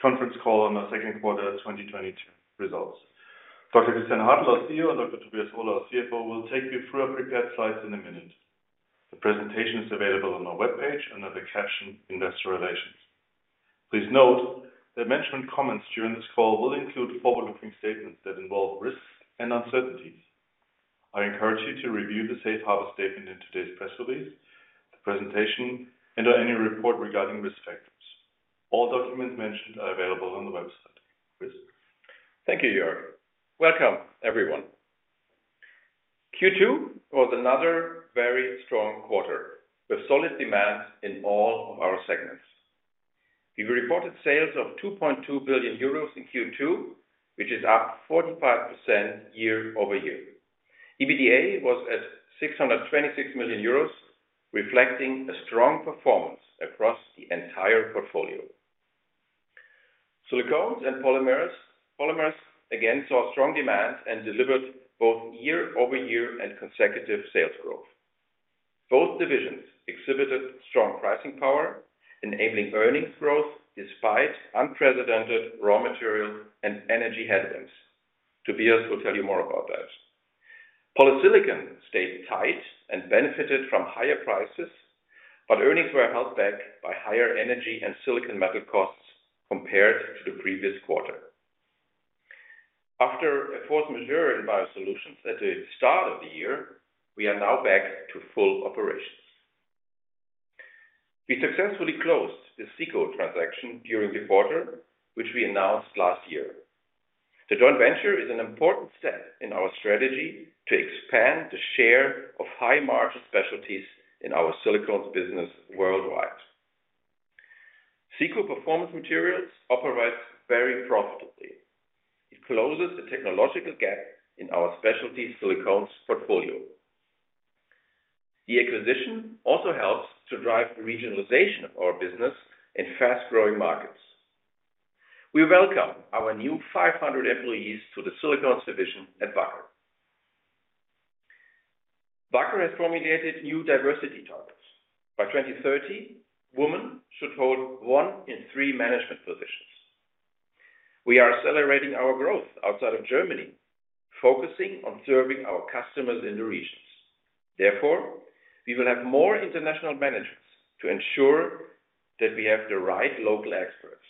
Conference call on our Q2 2022 results. Dr. Christian Hartel, our CEO, and Dr. Tobias Ohler, our CFO, will take you through our prepared slides in a minute. The presentation is available on our webpage under the caption Investor Relations. Please note that mentioned comments during this call will include forward-looking statements that involve risks and uncertainties. I encourage you to review the safe harbor statement in today's press release, the presentation, and/or any report regarding risk factors. All documents mentioned are available on the website. Chris? Thank you, Joerg. Welcome, everyone. Q2 was another very strong quarter with solid demand in all of our segments. We reported sales of 2.2 billion euros in Q2, which is up 45% year-over-year. EBITDA was at 626 million euros, reflecting a strong performance across the entire portfolio. Silicones and Polymers again saw strong demand and delivered both year-over-year and consecutive sales growth. Both divisions exhibited strong pricing power, enabling earnings growth despite unprecedented raw material and energy headwinds. Tobias will tell you more about that. Polysilicon stayed tight and benefited from higher prices, but earnings were held back by higher energy and silicon metal costs compared to the previous quarter. After a force majeure in Biosolutions at the start of the year, we are now back to full operations. We successfully closed the SICO transaction during the quarter, which we announced last year. The joint venture is an important step in our strategy to expand the share of high-margin specialties in our silicones business worldwide. SICO Performance Materials operates very profitably. It closes the technological gap in our specialty silicones portfolio. The acquisition also helps to drive the regionalization of our business in fast-growing markets. We welcome our new 500 employees to the silicones division at Wacker. Wacker has formulated new diversity targets. By 2030, women should hold one in three management positions. We are accelerating our growth outside of Germany, focusing on serving our customers in the regions. Therefore, we will have more international managers to ensure that we have the right local experts.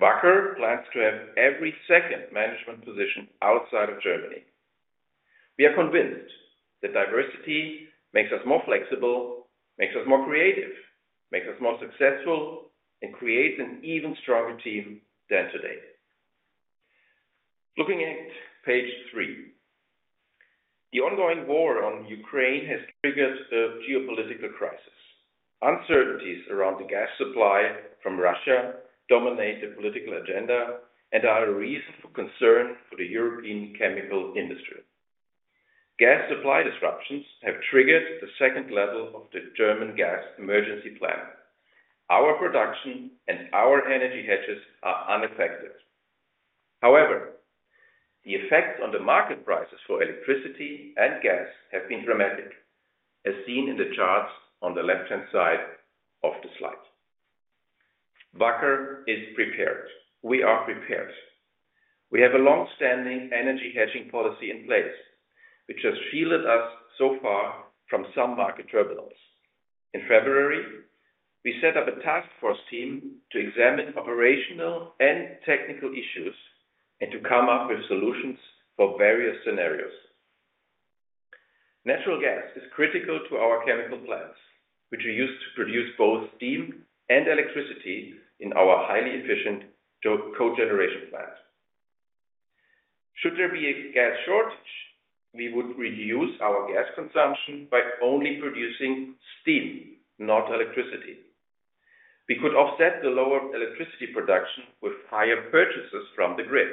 Wacker plans to have every second management position outside of Germany. We are convinced that diversity makes us more flexible, makes us more creative, makes us more successful, and creates an even stronger team than today. Looking at page 3. The ongoing war in Ukraine has triggered a geopolitical crisis. Uncertainties around the gas supply from Russia dominate the political agenda and are a reason for concern for the european chemical industry. Gas supply disruptions have triggered the second level of the German gas emergency plan. Our production and our energy hedges are unaffected. However, the effects on the market prices for electricity and gas have been dramatic, as seen in the charts on the left-hand side of the slide. Wacker is prepared, we are prepared. We have a long-standing energy hedging policy in place, which has shielded us so far from some market turbulence. In February, we set up a task force team to examine operational and technical issues and to come up with solutions for various scenarios. Natural gas is critical to our chemical plants, which are used to produce both steam and electricity in our highly efficient co-generation plants. Should there be a gas shortage, we would reduce our gas consumption by only producing steam, not electricity. We could offset the lower electricity production with higher purchases from the grid.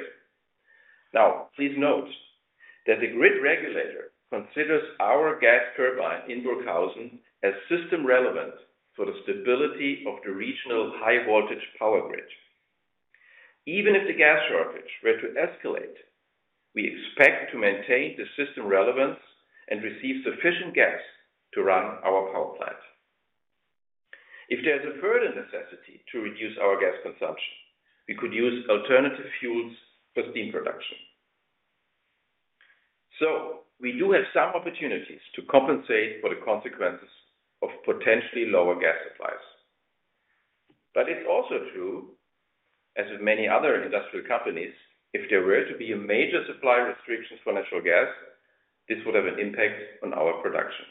Now, please note that the grid regulator considers our gas turbine in Burghausen as system relevant for the stability of the regional high-voltage power grid. Even if the gas shortage were to escalate, we expect to maintain the system relevance and receive sufficient gas to run our power plant. If there's a further necessity to reduce our gas consumption, we could use alternative fuels for steam production. So, we do have some opportunities to compensate for the consequences of potentially lower gas supplies. It's also true, as with many other industrial companies, if there were to be a major supply restriction for natural gas, this would have an impact on our production.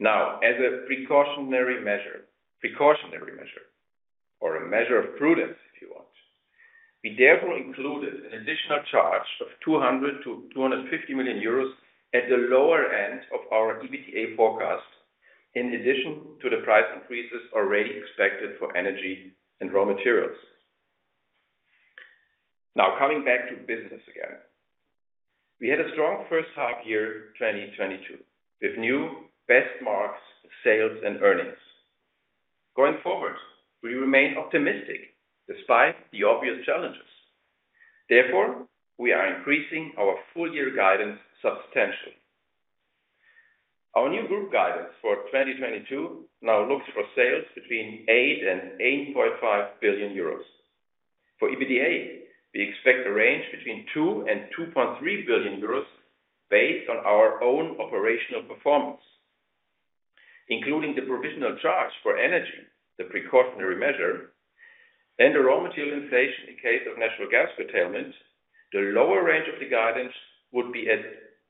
Now, as a precautionary measure, or a measure of prudence, if you want, we therefore included an additional charge of 200 million- 250 million at the lower end of our EBITDA forecast, in addition to the price increases already expected for energy and raw materials. Now, coming back to business again. We had a strong first half year, 2022, with new best marks, sales and earnings. Going forward, we remain optimistic despite the obvious challenges. Therefore, we are increasing our full year guidance substantially. Our new group guidance for 2022 now looks for sales between 8 billion and 8.5 billion. For EBITDA, we expect a range between 2 billion and 2.3 billion based on our own operational performance, including the provisional charge for energy, the precautionary measure, and the raw material inflation in case of natural gas curtailment. The lower range of the guidance would be at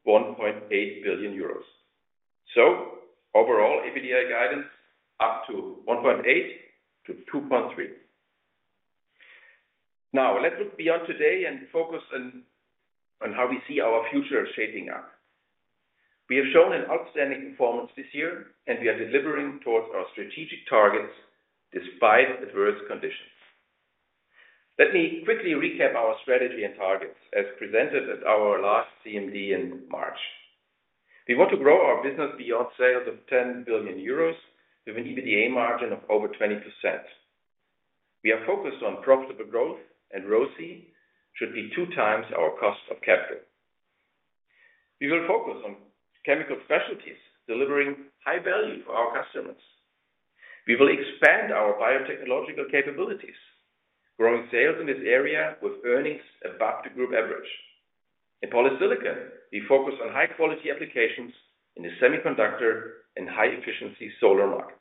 1.8 billion euros. Overall, EBITDA guidance up to 1.8- 2.3 billion. Now let's look beyond today and focus on how we see our future shaping up. We have shown an outstanding performance this year, and we are delivering towards our strategic targets despite adverse conditions. Let me quickly recap our strategy and targets as presented at our last CMD in March. We want to grow our business beyond sales of 10 billion euros with an EBITDA margin of over 20%. We are focused on profitable growth and ROCE should be two times our cost of capital. We will focus on chemical specialties, delivering high value for our customers. We will expand our biotechnological capabilities, growing sales in this area with earnings above the group average. In polysilicon, we focus on high-quality applications in the semiconductor and high-efficiency solar markets.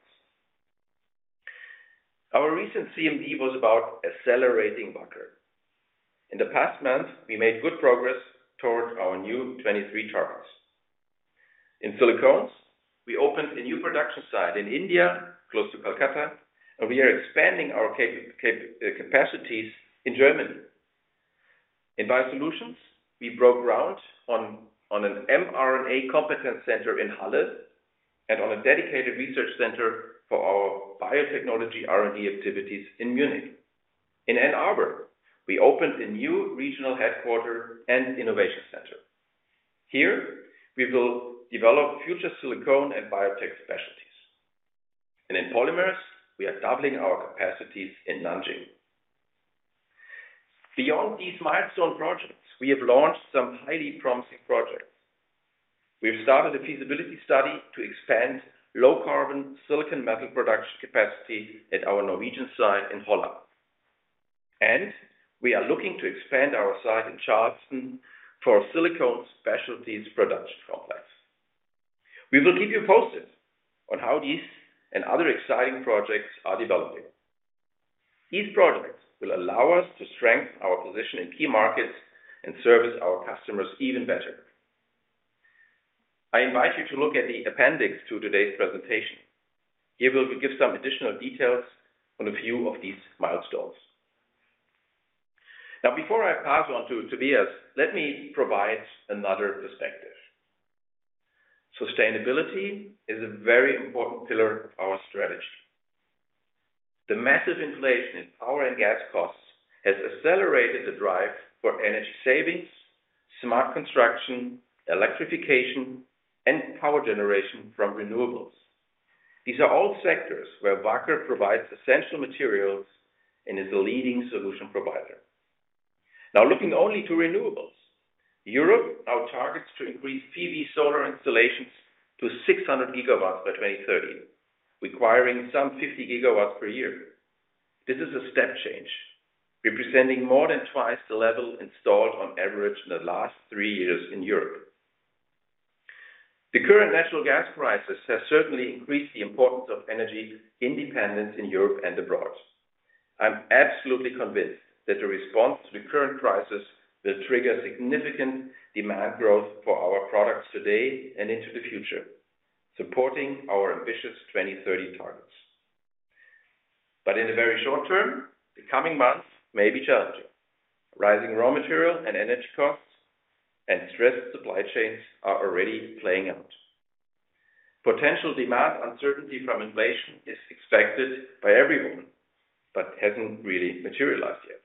Our recent CMD was about accelerating Wacker. In the past month, we made good progress towards our new 23 targets. In silicones, we opened a new production site in India, close to Calcutta, and we are expanding our capacities in Germany. In biosolutions, we broke ground on an mRNA competence center in Halle and on a dedicated research center for our biotechnology R&D activities in Munich. In Ann Arbor, we opened a new regional headquarters and innovation center. Here we will develop future silicone and biotech specialties. In polymers, we are doubling our capacities in Nanjing. Beyond these milestone projects, we have launched some highly promising projects. We've started a feasibility study to expand low-carbon silicon metal production capacity at our Norwegian site in Holla. We are looking to expand our site in Charleston for our silicone specialties production complex. We will keep you posted on how these and other exciting projects are developing. These projects will allow us to strengthen our position in key markets and service our customers even better. I invite you to look at the appendix to today's presentation. Here we give some additional details on a few of these milestones. Now, before I pass on to Tobias, let me provide another perspective. Sustainability is a very important pillar of our strategy. The massive inflation in power and gas costs has accelerated the drive for energy savings, smart construction, electrification, and power generation from renewables. These are all sectors where Wacker provides essential materials and is a leading solution provider. Now, looking only to renewables, Europe now targets to increase PV solar installations to 600 gigawatts by 2030, requiring some 50 gigawatts per year. This is a step change, representing more than twice the level installed on average in the last three years in Europe. The current natural gas crisis has certainly increased the importance of energy independence in Europe and abroad. I'm absolutely convinced that the response to the current crisis will trigger significant demand growth for our products today and into the future, supporting our ambitious 2030 targets. In the very short term, the coming months may be challenging. Rising raw material and energy costs and stressed supply chains are already playing out. Potential demand uncertainty from inflation is expected by everyone, but hasn't really materialized yet.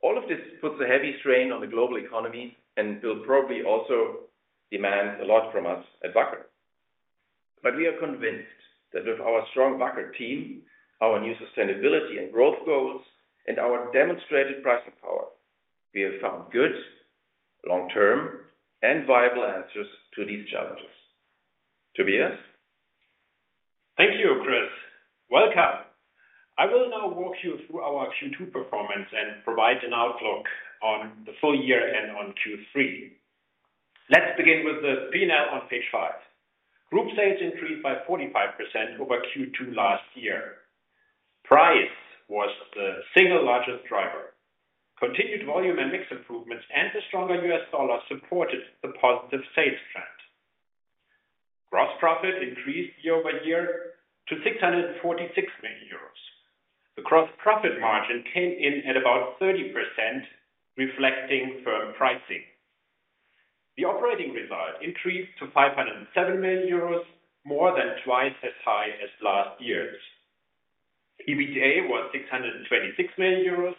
All of this puts a heavy strain on the global economy and will probably also demand a lot from us at Wacker. We are convinced that with our strong Wacker team, our new sustainability and growth goals, and our demonstrated pricing power, we have found good long-term and viable answers to these challenges. Tobias? Thank you, Chris. Welcome. I will now walk you through our Q2 performance and provide an outlook on the full year and on Q3. Let's begin with the P&L on page 5. Group sales increased by 45% over Q2 last year. Price was the single largest driver. Continued volume and mix improvements and the stronger U.S. dollar supported the positive sales trend. Gross profit increased year-over-year to 646 million euros. The gross profit margin came in at about 30%, reflecting firm pricing. The operating result increased to 507 million euros, more than twice as high as last year's. EBITDA was 626 million euros.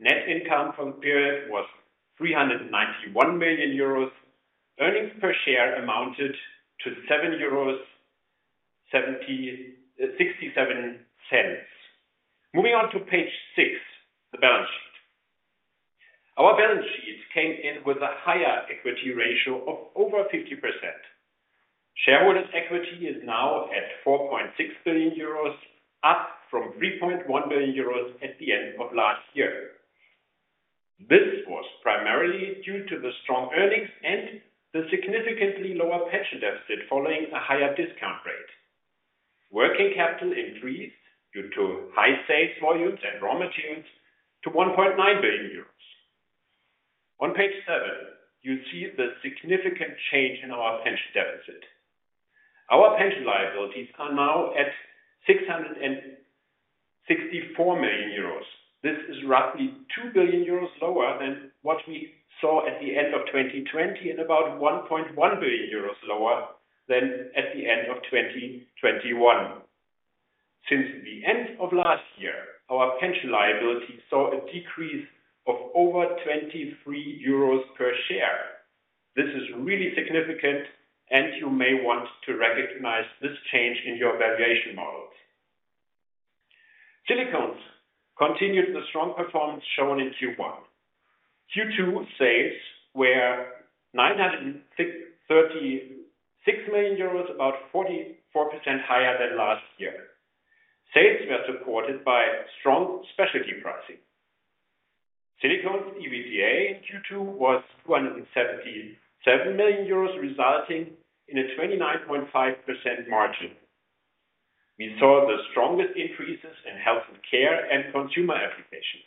Net income from the period was 391 million euros. Earnings per share amounted to 7.67 euros. Moving on to page 6, the balance sheet. It came in with a higher equity ratio of over 50%. Shareholder equity is now at 4.6 billion euros, up from 3.1 billion euros at the end of last year. This was primarily due to the strong earnings and the significantly lower pension deficit following a higher discount rate. Working capital increased due to high sales volumes and raw materials to 1.9 billion euros. On page 7, you see the significant change in our pension deficit. Our pension liabilities are now at 664 million euros. This is roughly 2 billion euros lower than what we saw at the end of 2020 and about 1.1 billion euros lower than at the end of 2021. Since the end of last year, our pension liability saw a decrease of over 23 euros per share. This is really significant and you may want to recognize this change in your valuation models. Silicones continued the strong performance shown in Q1. Q2 sales were 906.36 million euros, about 44% higher than last year. Sales were supported by strong specialty pricing. Silicones EBITDA in Q2 was 277 million euros, resulting in a 29.5% margin. We saw the strongest increases in health care and consumer applications.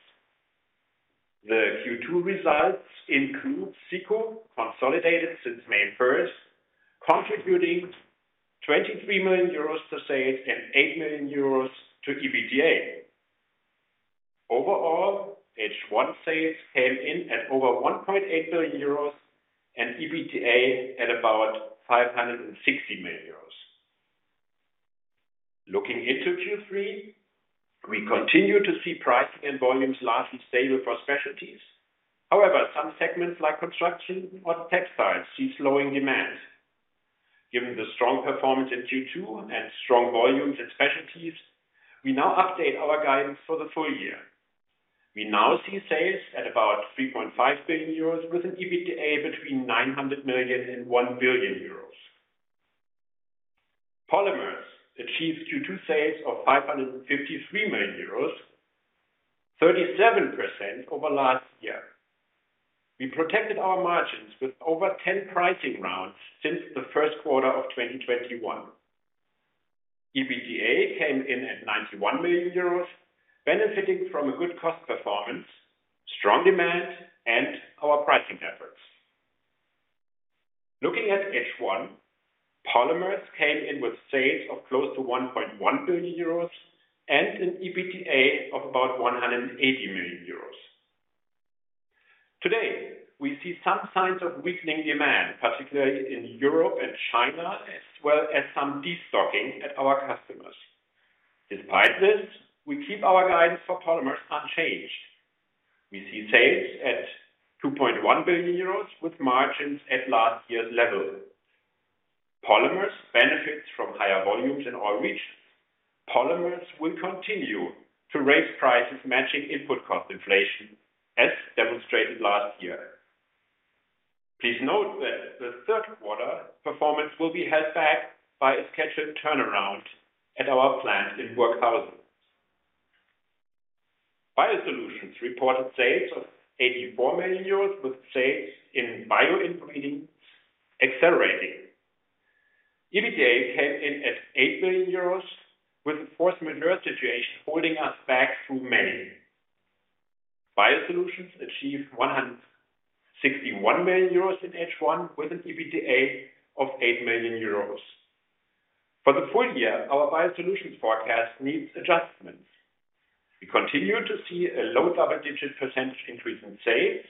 The Q2 results include SICO, consolidated since May first, contributing 23 million euros to sales and 8 million euros to EBITDA. Overall, H1 sales came in at over 1.8 billion euros and EBITDA at about 560 million euros. Looking into Q3, we continue to see pricing and volumes largely stable for specialties. However, some segments like construction or textiles see slowing demand. Given the strong performance in Q2 and strong volumes and specialties, we now update our guidance for the full year. We now see sales at about 3.5 billion euros with an EBITDA between 900 million and 1 billion euros. Polymers achieved Q2 sales of 553 million euros, 37% over last year. We protected our margins with over ten pricing rounds since the Q1 of 2021. EBITDA came in at 91 million euros, benefiting from a good cost performance, strong demand and our pricing efforts. Looking at H1, polymers came in with sales of close to 1.1 billion euros and an EBITDA of about 180 million euros. Today, we see some signs of weakening demand, particularly in Europe and China, as well as some destocking at our customers. Despite this, we keep our guidance for Polymers unchanged. We see sales at 2.1 billion euros with margins at last year's level. Polymers benefits from higher volumes in all regions, polymers will continue to raise prices matching input cost inflation as demonstrated last year. Please note that the Q3 performance will be held back by a scheduled turnaround at our plant in Burghausen. Biosolutions reported sales of 84 million euros with sales in bio-ingredients accelerating. EBITDA came in at 8 million euros with a force majeure situation holding us back through May. Biosolutions achieved 161 million euros in H1 with an EBITDA of 8 million euros. For the full year, our Biosolutions forecast needs adjustments. We continue to see a low double-digit percent increase in sales.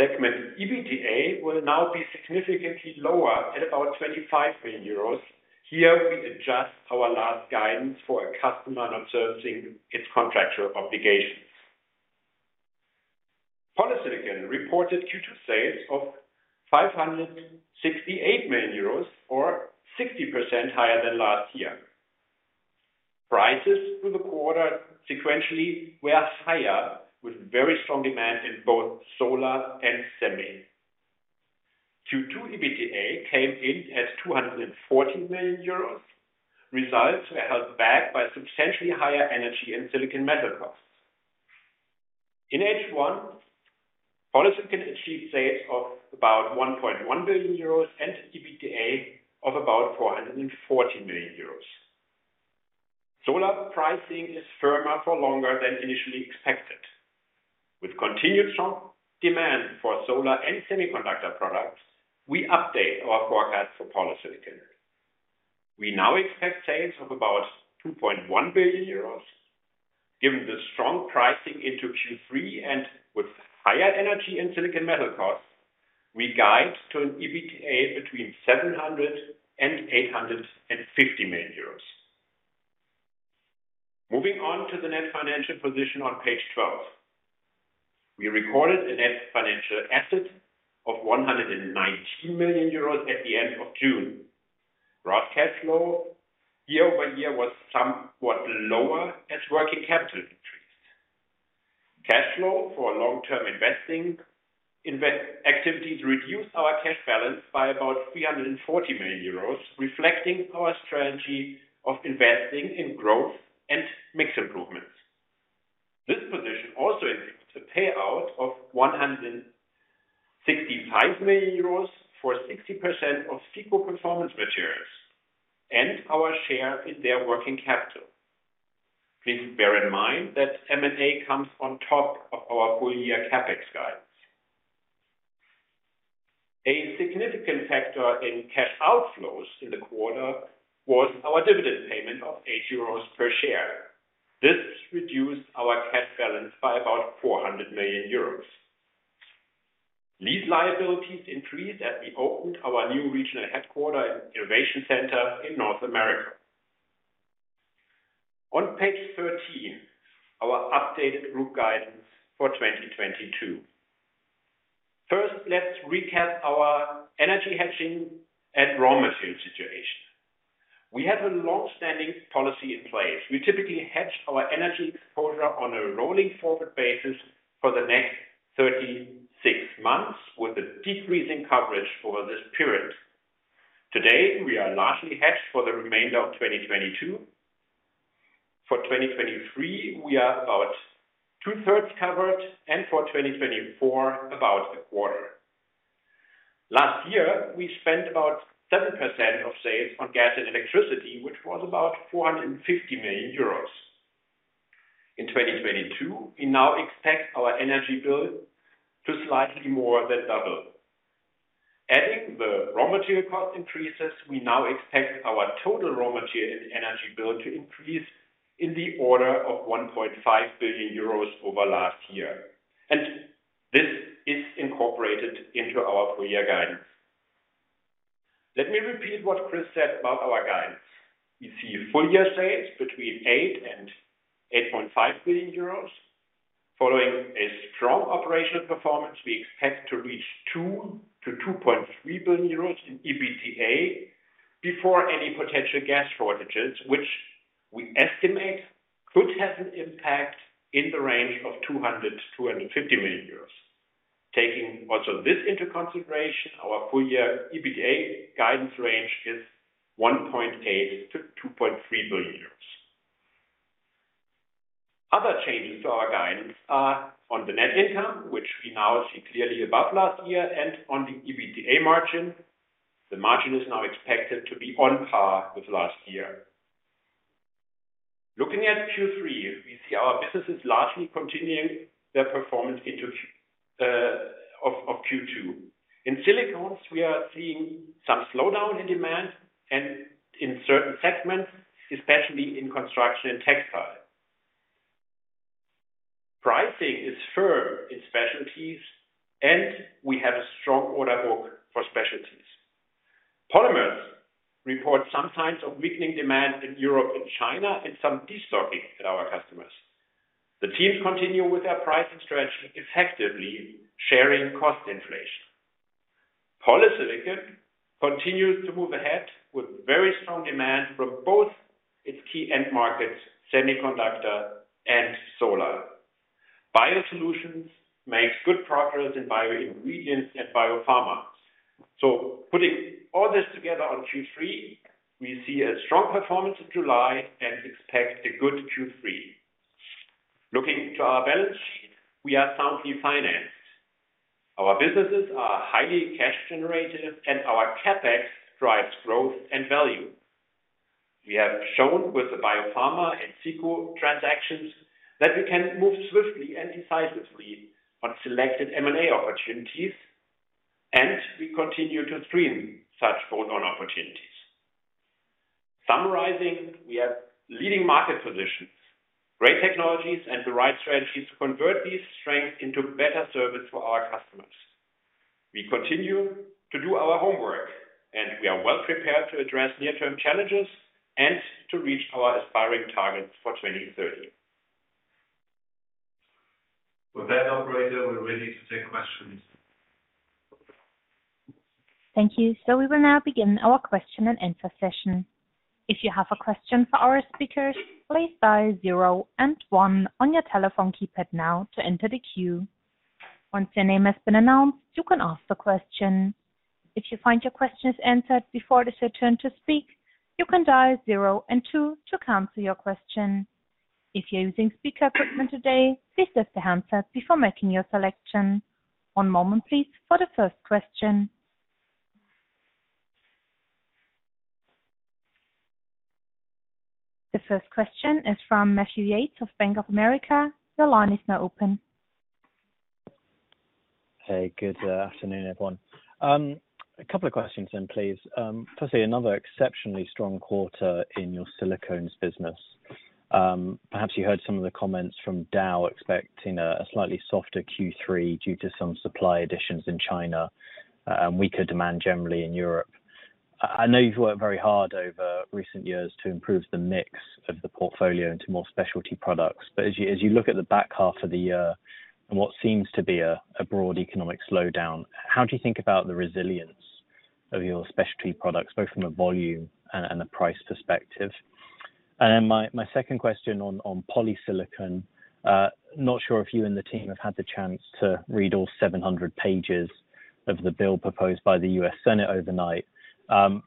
Segment EBITDA will now be significantly lower at about 25 million euros. Here we adjust our last guidance for a customer not servicing its contractual obligations. Polysilicon reported Q2 sales of 568 million euros or 60% higher than last year. Prices through the quarter sequentially were higher with very strong demand in both solar and semi. Q2 EBITDA came in at 240 million euros. Results were held back by substantially higher energy and silicon metal costs. In H1, Polysilicon achieved sales of about 1.1 billion euros and EBITDA of about 440 million euros. Solar pricing is firmer for longer than initially expected. With continued strong demand for solar and semiconductor products, we update our forecast for Polysilicon. We now expect sales of about 2.1 billion euros. Given the strong pricing into Q3 and with higher energy and silicon metal costs, we guide to an EBITDA between 700 million-850 million euros. Moving on to the net financial position on page 12. We recorded a net financial asset of 119 million euros at the end of June. Free cash flow year over year was somewhat lower as working capital increased. Cash flow for long-term investing activities reduced our cash balance by about 340 million euros, reflecting our strategy of investing in growth and mix improvements. This position also includes a payout of 165 million euros for 60% of SICO Performance Materials and our share in their working capital. Please bear in mind that M&A comes on top of our full-year CapEx guidance. A significant factor in cash outflows in the quarter was our dividend payment of 8 euros per share. This reduced our cash balance by about 400 million euros. Lease liabilities increased as we opened our new regional headquarters and innovation center in North America. On page 13, our updated group guidance for 2022. First, let's recap our energy hedging and raw material situation. We have a long-standing policy in place. We typically hedge our energy exposure on a rolling forward basis for the next 36 months, with a decreasing coverage over this period. Today, we are largely hedged for the remainder of 2022. For 2023, we are about 2/3 covered and for 2024, about a quarter. Last year, we spent about 7% of sales on gas and electricity, which was about 450 million euros. In 2022, we now expect our energy bill to slightly more than double. Adding the raw material cost increases, we now expect our total raw material and energy bill to increase in the order of 1.5 billion euros over last year and this is incorporated into our full-year guidance. Let me repeat what Chris said about our guidance. We see full-year sales between 8 billion and 8.5 billion. Following a strong operational performance, we expect to reach 2 billion-2.3 billion euros in EBITDA before any potential gas shortages, which we estimate could have an impact in the range of 200 million euros 250 million. Taking also this into consideration, our full-year EBITDA guidance range is 1.8 billion-2.3 billion euros. Other changes to our guidance are on the net income, which we now see clearly above last year and on the EBITDA margin. The margin is now expected to be on par with last year. Looking at Q3, we see our businesses largely continuing their performance into Q3. In silicones, we are seeing some slowdown in demand and in certain segments, especially in construction and textile. Pricing is firm in specialties, and we have a strong order book for specialties. Polymers report some signs of weakening demand in Europe and China and some de-stocking at our customers. The teams continue with their pricing strategy, effectively sharing cost inflation. Polysilicon continues to move ahead with very strong demand from both its key end markets, semiconductor and solar. Biosolutions makes good progress in bio-ingredients and biopharma. Putting all this together on Q3, we see a strong performance in July and expect a good Q3. Looking to our balance sheet, we are soundly financed. Our businesses are highly cash generative, and our CapEx drives growth and value. We have shown with the biopharma and SICO transactions that we can move swiftly and decisively on selected M&A opportunities, and we continue to screen such bolt-on opportunities. Summarizing, we have leading market positions, great technologies, and the right strategies to convert these strengths into better service for our customers. We continue to do our homework, and we are well prepared to address near-term challenges and to reach our aspiring targets for 2030. With that, operator, we're ready to take questions. Thank you. So will now begin our question and answer session. If you have a question for our speakers, please dial 0 and 1 on your telephone keypad now to enter the queue. Once your name has been announced, you can ask the question. If you find your question is answered before it is your turn to speak, you can dial 0 and 2 to cancel your question. If you're using speaker equipment today, please lift the handset before making your selection. One moment, please, for the first question. The first question is from Matthew Yates of Bank of America. Your line is now open. Hey, good afternoon, everyone. A couple of questions then, please. Firstly, another exceptionally strong quarter in your silicones business. Perhaps you heard some of the comments from Dow expecting a slightly softer Q3 due to some supply additions in China and weaker demand generally in Europe. I know you've worked very hard over recent years to improve the mix of the portfolio into more specialty products, but as you look at the back half of the year and what seems to be a broad economic slowdown, how do you think about the resilience of your specialty products, both from a volume and a price perspective? My second question on polysilicon. Not sure if you and the team have had the chance to read all 700 pages of the bill proposed by the U.S. Senate overnight.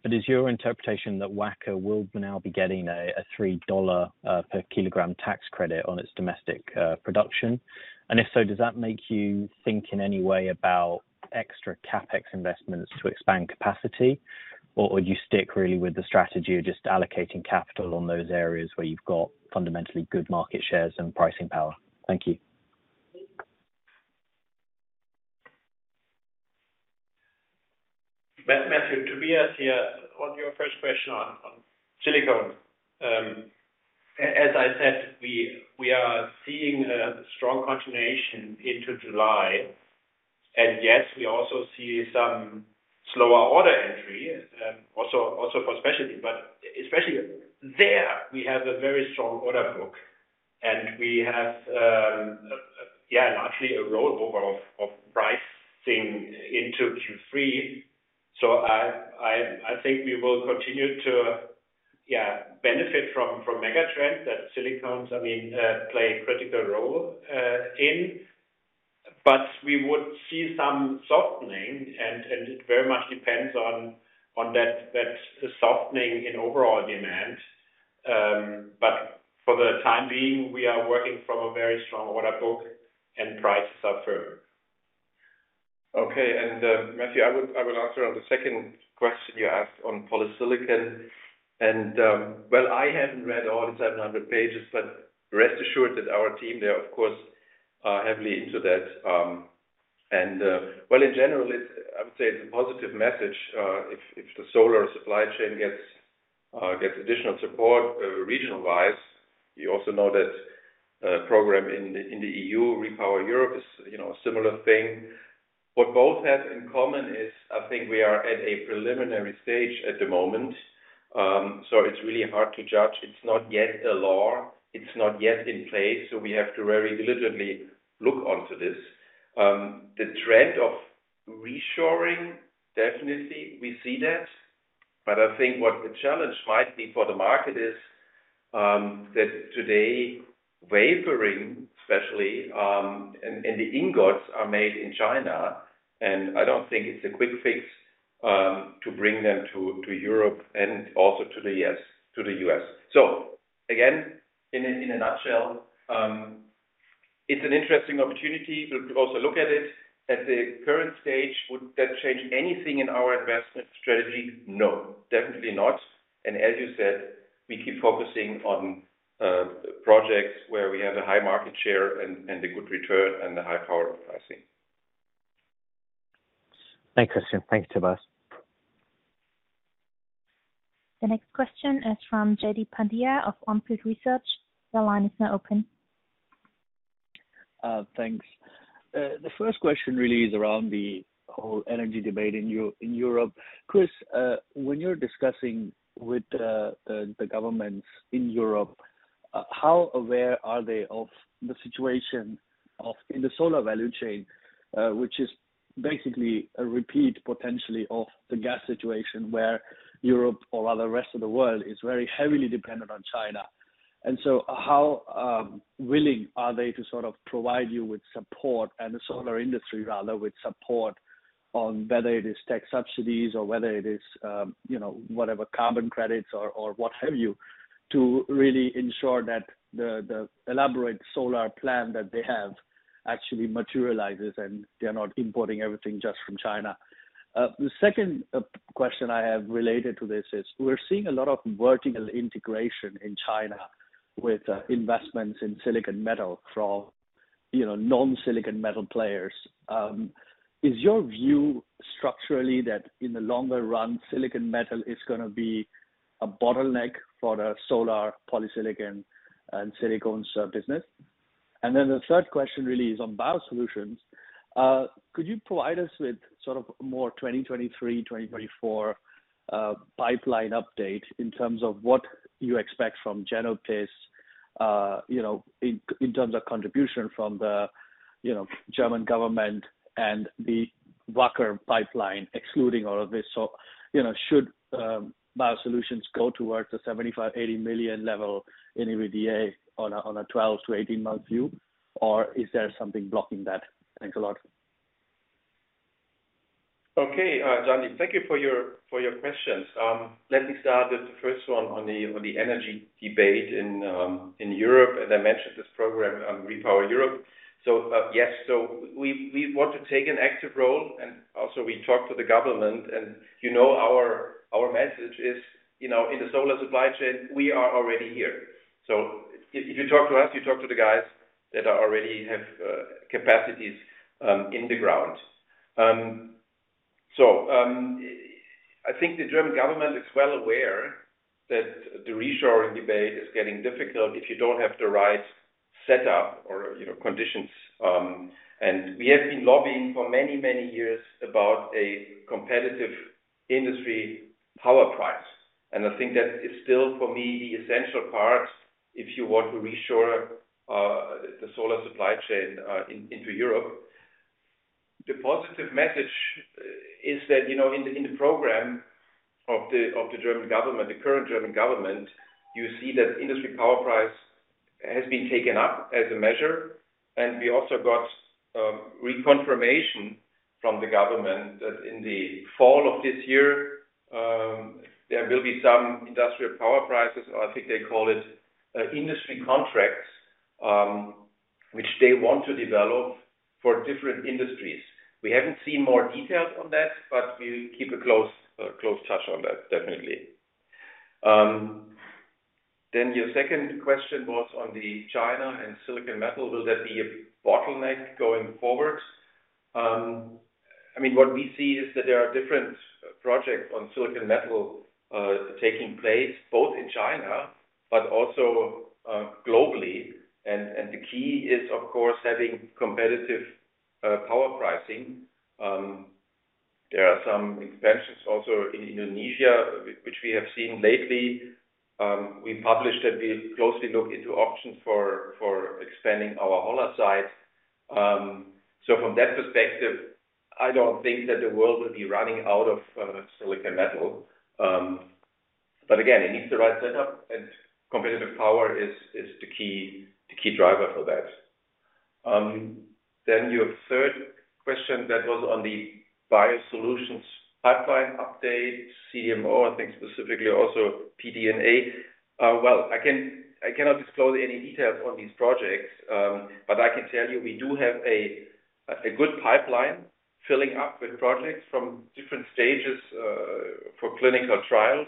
Is your interpretation that Wacker will now be getting a $3 per kilogram tax credit on its domestic production? If so, does that make you think in any way about extra CapEx investments to expand capacity? Would you stick really with the strategy of just allocating capital on those areas where you've got fundamentally good market shares and pricing power? Thank you. Matthew, Tobias here. On your first question on silicones. As I said, we are seeing a strong continuation into July. Yes, we also see some slower order entry, also for specialty, but especially there we have a very strong order book. We have largely a rollover of pricing into Q3. I think we will continue to benefit from mega trend that silicones I mean play a critical role in. We would see some softening and it very much depends on that softening in overall demand. For the time being, we are working from a very strong order book and prices are firm. Okay. Matthew, I will answer on the second question you asked on polysilicon. Well, I haven't read all the 700 pages, but rest assured that our team, they are of course heavily into that. Well, in general, it's, I would say, a positive message if the solar supply chain gets additional support regional wise. You also know that program in the EU, REPowerEU, is, you know, a similar thing. What both have in common is, I think we are at a preliminary stage at the moment. It's really hard to judge. It's not yet a law. It's not yet in place. We have to very diligently look into this. The trend of reshoring, definitely we see that. I think what the challenge might be for the market is that today wafering especially and the ingots are made in China, and I don't think it's a quick fix to bring them to Europe and also to the U.S. So again, in a nutshell, it's an interesting opportunity but we'll also look at it. At the current stage, would that change anything in our investment strategy? No, definitely not. As you said, we keep focusing on projects where we have a high market share and a good return and a high power of pricing. Thanks, Christian. Thanks, Tobias. The next question is from Jaideep Pandya of On Field Investment Research. Your line is now open. Thanks. The first question really is around the whole energy debate in Europe. Chris, when you're discussing with the governments in Europe, how aware are they of the situation in the solar value chain, which is basically a repeat potentially of the gas situation where Europe or rather rest of the world is very heavily dependent on China. And so, how willing are they to sort of provide you with support and the solar industry rather with support on whether it is tech subsidies or whether it is, you know, whatever carbon credits or what have you, to really ensure that the elaborate solar plan that they have actually materializes and they're not importing everything just from China. The second question I have related to this is we're seeing a lot of vertical integration in China with investments in silicon metal from, you know, non-silicon metal players. Is your view structurally that in the longer run, silicon metal is gonna be a bottleneck for the solar polysilicon and silicone business? Then the third question really is on Biosolutions. Could you provide us with sort of more 2023, 2024 pipeline update in terms of what you expect from Genopis, you know, in terms of contribution from the, you know, German government and the Wacker pipeline, excluding all of this. You know, should Biosolutions go towards the 75-80 million level in EBITDA on a 12 to 18-month view, or is there something blocking that? Thanks a lot. Okay, Jaideep, thank you for your questions. Let me start with the first one on the energy debate in Europe, and I mentioned this program on REPowerEU. Yes, we want to take an active role and also we talk to the government and, you know, our message is, you know, in the solar supply chain, we are already here. If you talk to us, you talk to the guys that are already have capacities in the ground. I think the German government is well aware that the reshoring debate is getting difficult if you don't have the right setup or, you know, conditions. We have been lobbying for many years about a competitive industry power price. I think that is still, for me, the essential part if you want to reshore the solar supply chain into Europe. The positive message is that, you know, in the program of the German government, the current German government, you see that industrial power price has been taken up as a measure. We also got reconfirmation from the government that in the fall of this year, there will be some industrial power prices, or I think they call it, industry contracts, which they want to develop for different industries. We haven't seen more details on that, but we keep a close touch on that, definitely. Then your second question was on China and silicon metal. Will that be a bottleneck going forward? I mean, what we see is that there are different projects on silicon metal taking place both in China but also globally. The key is of course having competitive power pricing. There are some expansions also in Indonesia, which we have seen lately. We published that we closely look into options for expanding our Holla site. From that perspective, I don't think that the world will be running out of silicon metal. Again, it needs the right setup and competitive power is the key driver for that. Then your third question that was on the Biosolutions pipeline update, CMO, I think specifically also PD&A. Well, I cannot disclose any details on these projects, but I can tell you we do have a good pipeline filling up with projects from different stages for clinical trials.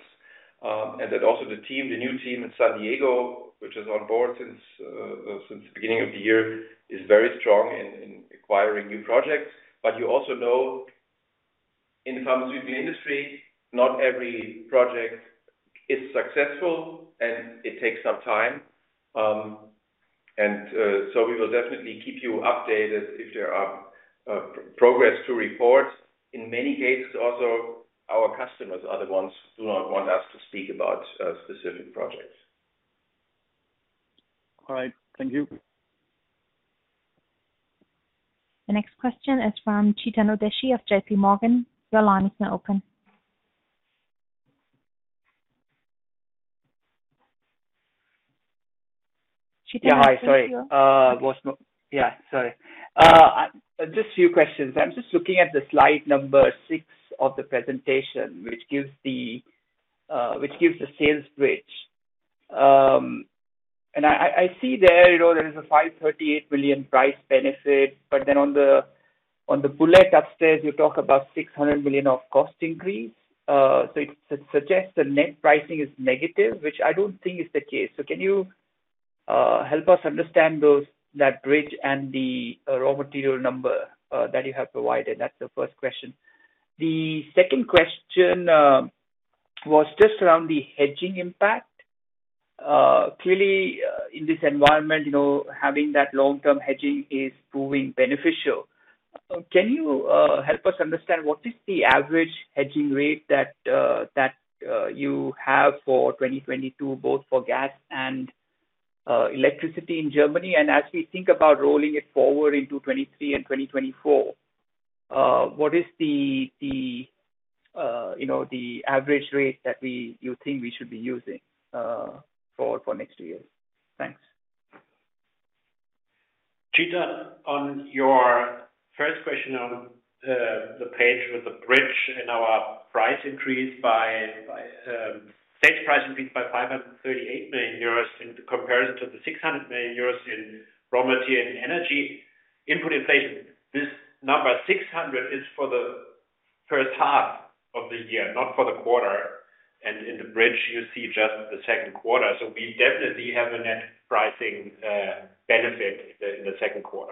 That also the team, the new team in San Diego, which is on board since the beginning of the year, is very strong in acquiring new projects. You also know in the pharmaceutical industry, not every project is successful, and it takes some time. We will definitely keep you updated if there are progress to report. In many cases also, our customers are the ones who don't want us to speak about specific projects. All right. Thank you. The next question is from Chetan Udeshi of JP Morgan. Your line is now open. Chetan Udeshi. Hi. Sorry. Just a few questions. I'm just looking at slide number 6 of the presentation, which gives the sales bridge. I see there, you know, there is a 538 million price benefit. On the bullet upstairs, you talk about 600 million of cost increase. It suggests the net pricing is negative, which I don't think is the case. Can you help us understand that bridge and the raw material number that you have provided? That's the first question. The second question was just around the hedging impact. Clearly, in this environment, you know, having that long-term hedging is proving beneficial. Can you help us understand what is the average hedging rate that you have for 2022, both for gas and electricity in Germany? As we think about rolling it forward into 23 and 2024, what is you know, the average rate that you think we should be using for next two years? Thanks. Chetan, on your first question on the page with the bridge in our price increase by sales price increase by 538 million euros in comparison to the 600 million euros in raw material and energy input inflation. This number 600 is for the first half of the year, not for the quarter. In the bridge, you see just the Q2. We definitely have a net pricing benefit in the Q2.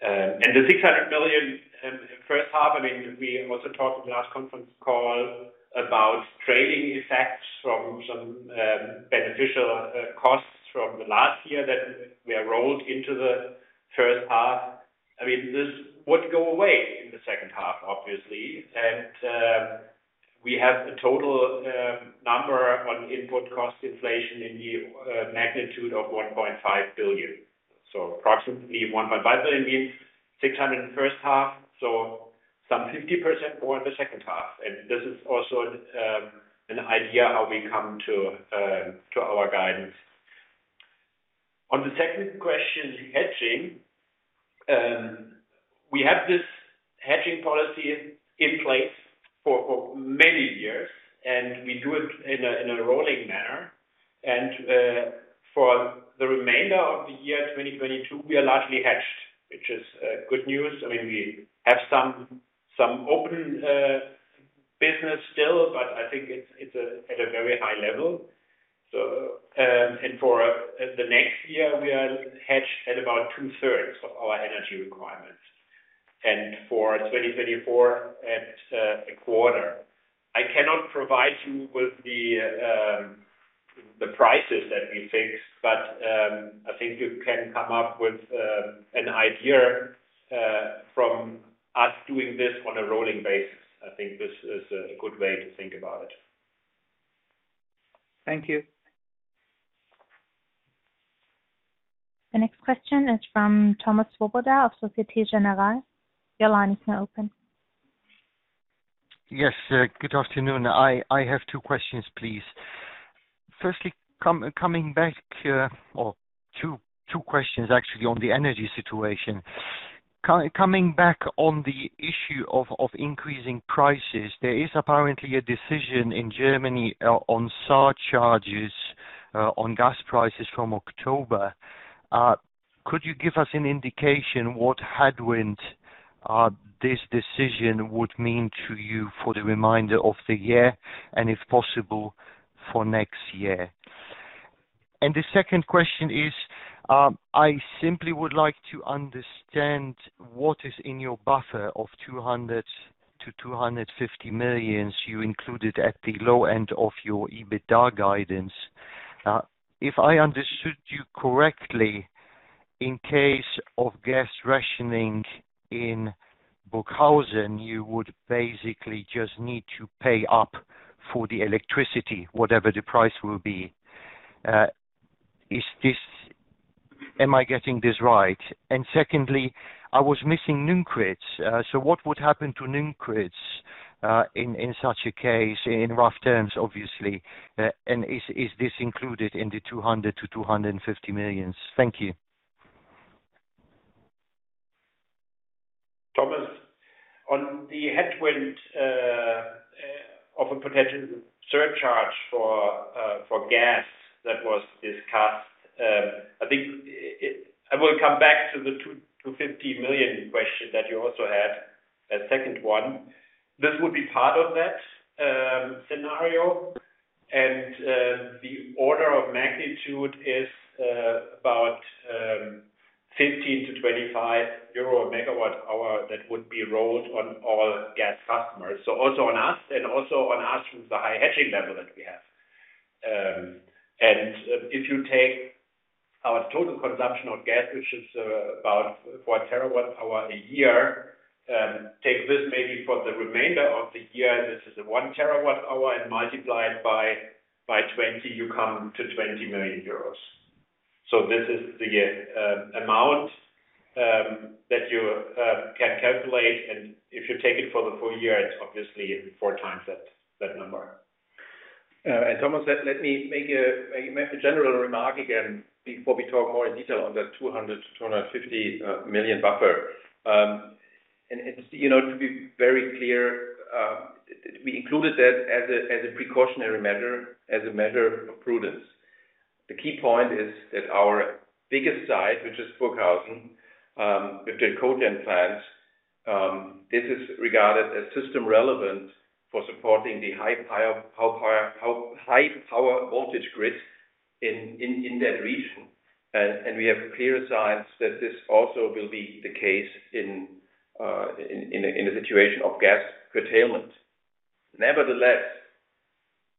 The 600 million in the first half, I mean, we also talked in the last conference call about trading effects from some beneficial costs from the last year that we have rolled into the first half. I mean, this would go away in the second half, obviously. We have a total number on input cost inflation in the magnitude of 1.5 billion. Approximately 1.5 billion means 600 million in the first half, so some 50% more in the second half. This is also an idea how we come to our guidance. On the second question, hedging, we have this hedging policy in place for many years, and we do it in a rolling manner and for the remainder of the year 2022, we are largely hedged, which is good news. I mean, we have some open business still, but I think it's at a very high level. For the next year, we are hedged at about 2/3 of our energy requirements and for 2024 at a quarter. I cannot provide you with the prices that we fixed, but I think you can come up with an idea from us doing this on a rolling basis. I think this is a good way to think about it. Thank you. The next question is from Thomas Swoboda of Société Générale. Your line is now open. Yes, good afternoon. I have two questions, please. Firstly, two questions actually on the energy situation. Coming back on the issue of increasing prices, there is apparently a decision in Germany on surcharges on gas prices from October. Could you give us an indication what headwind this decision would mean to you for the remainder of the year and if possible for next year? The second question is, I simply would like to understand what is in your buffer of 200-250 million you included at the low end of your EBITDA guidance. If I understood you correctly, in case of gas rationing in Burghausen, you would basically just need to pay up for the electricity, whatever the price will be. Is this? Am I getting this right? Secondly, I was missing Nünchritz. What would happen to Nünchritz, in such a case, in rough terms, obviously, and is this included in the 200-250 million? Thank you. Thomas, on the headwind of a potential surcharge for gas that was discussed, I think I will come back to the 2-50 million question that you also had, that second one. This would be part of that scenario. The order of magnitude is about 15-25 EUR/MWh that would be rolled on all gas customers. Also on us, and also on us with the high hedging level that we have. If you take our total consumption of gas, which is about 4 TWh a year, take this maybe for the remainder of the year, this is 1 TWh, and multiply it by 20, you come to 20 million euros. This is the amount that you can calculate and if you take it for the full year, it's obviously 4 times that number. Thomas, let me make a general remark again before we talk more in detail on that 200 million-250 million buffer. It is, you know, to be very clear, we included that as a precautionary measure, as a measure of prudence. The key point is that our biggest site, which is Burghausen, with their co-gen plants, this is regarded as system-relevant for supporting the high-voltage power grid in that region. We have clear signs that this also will be the case in a situation of gas curtailment. Nevertheless,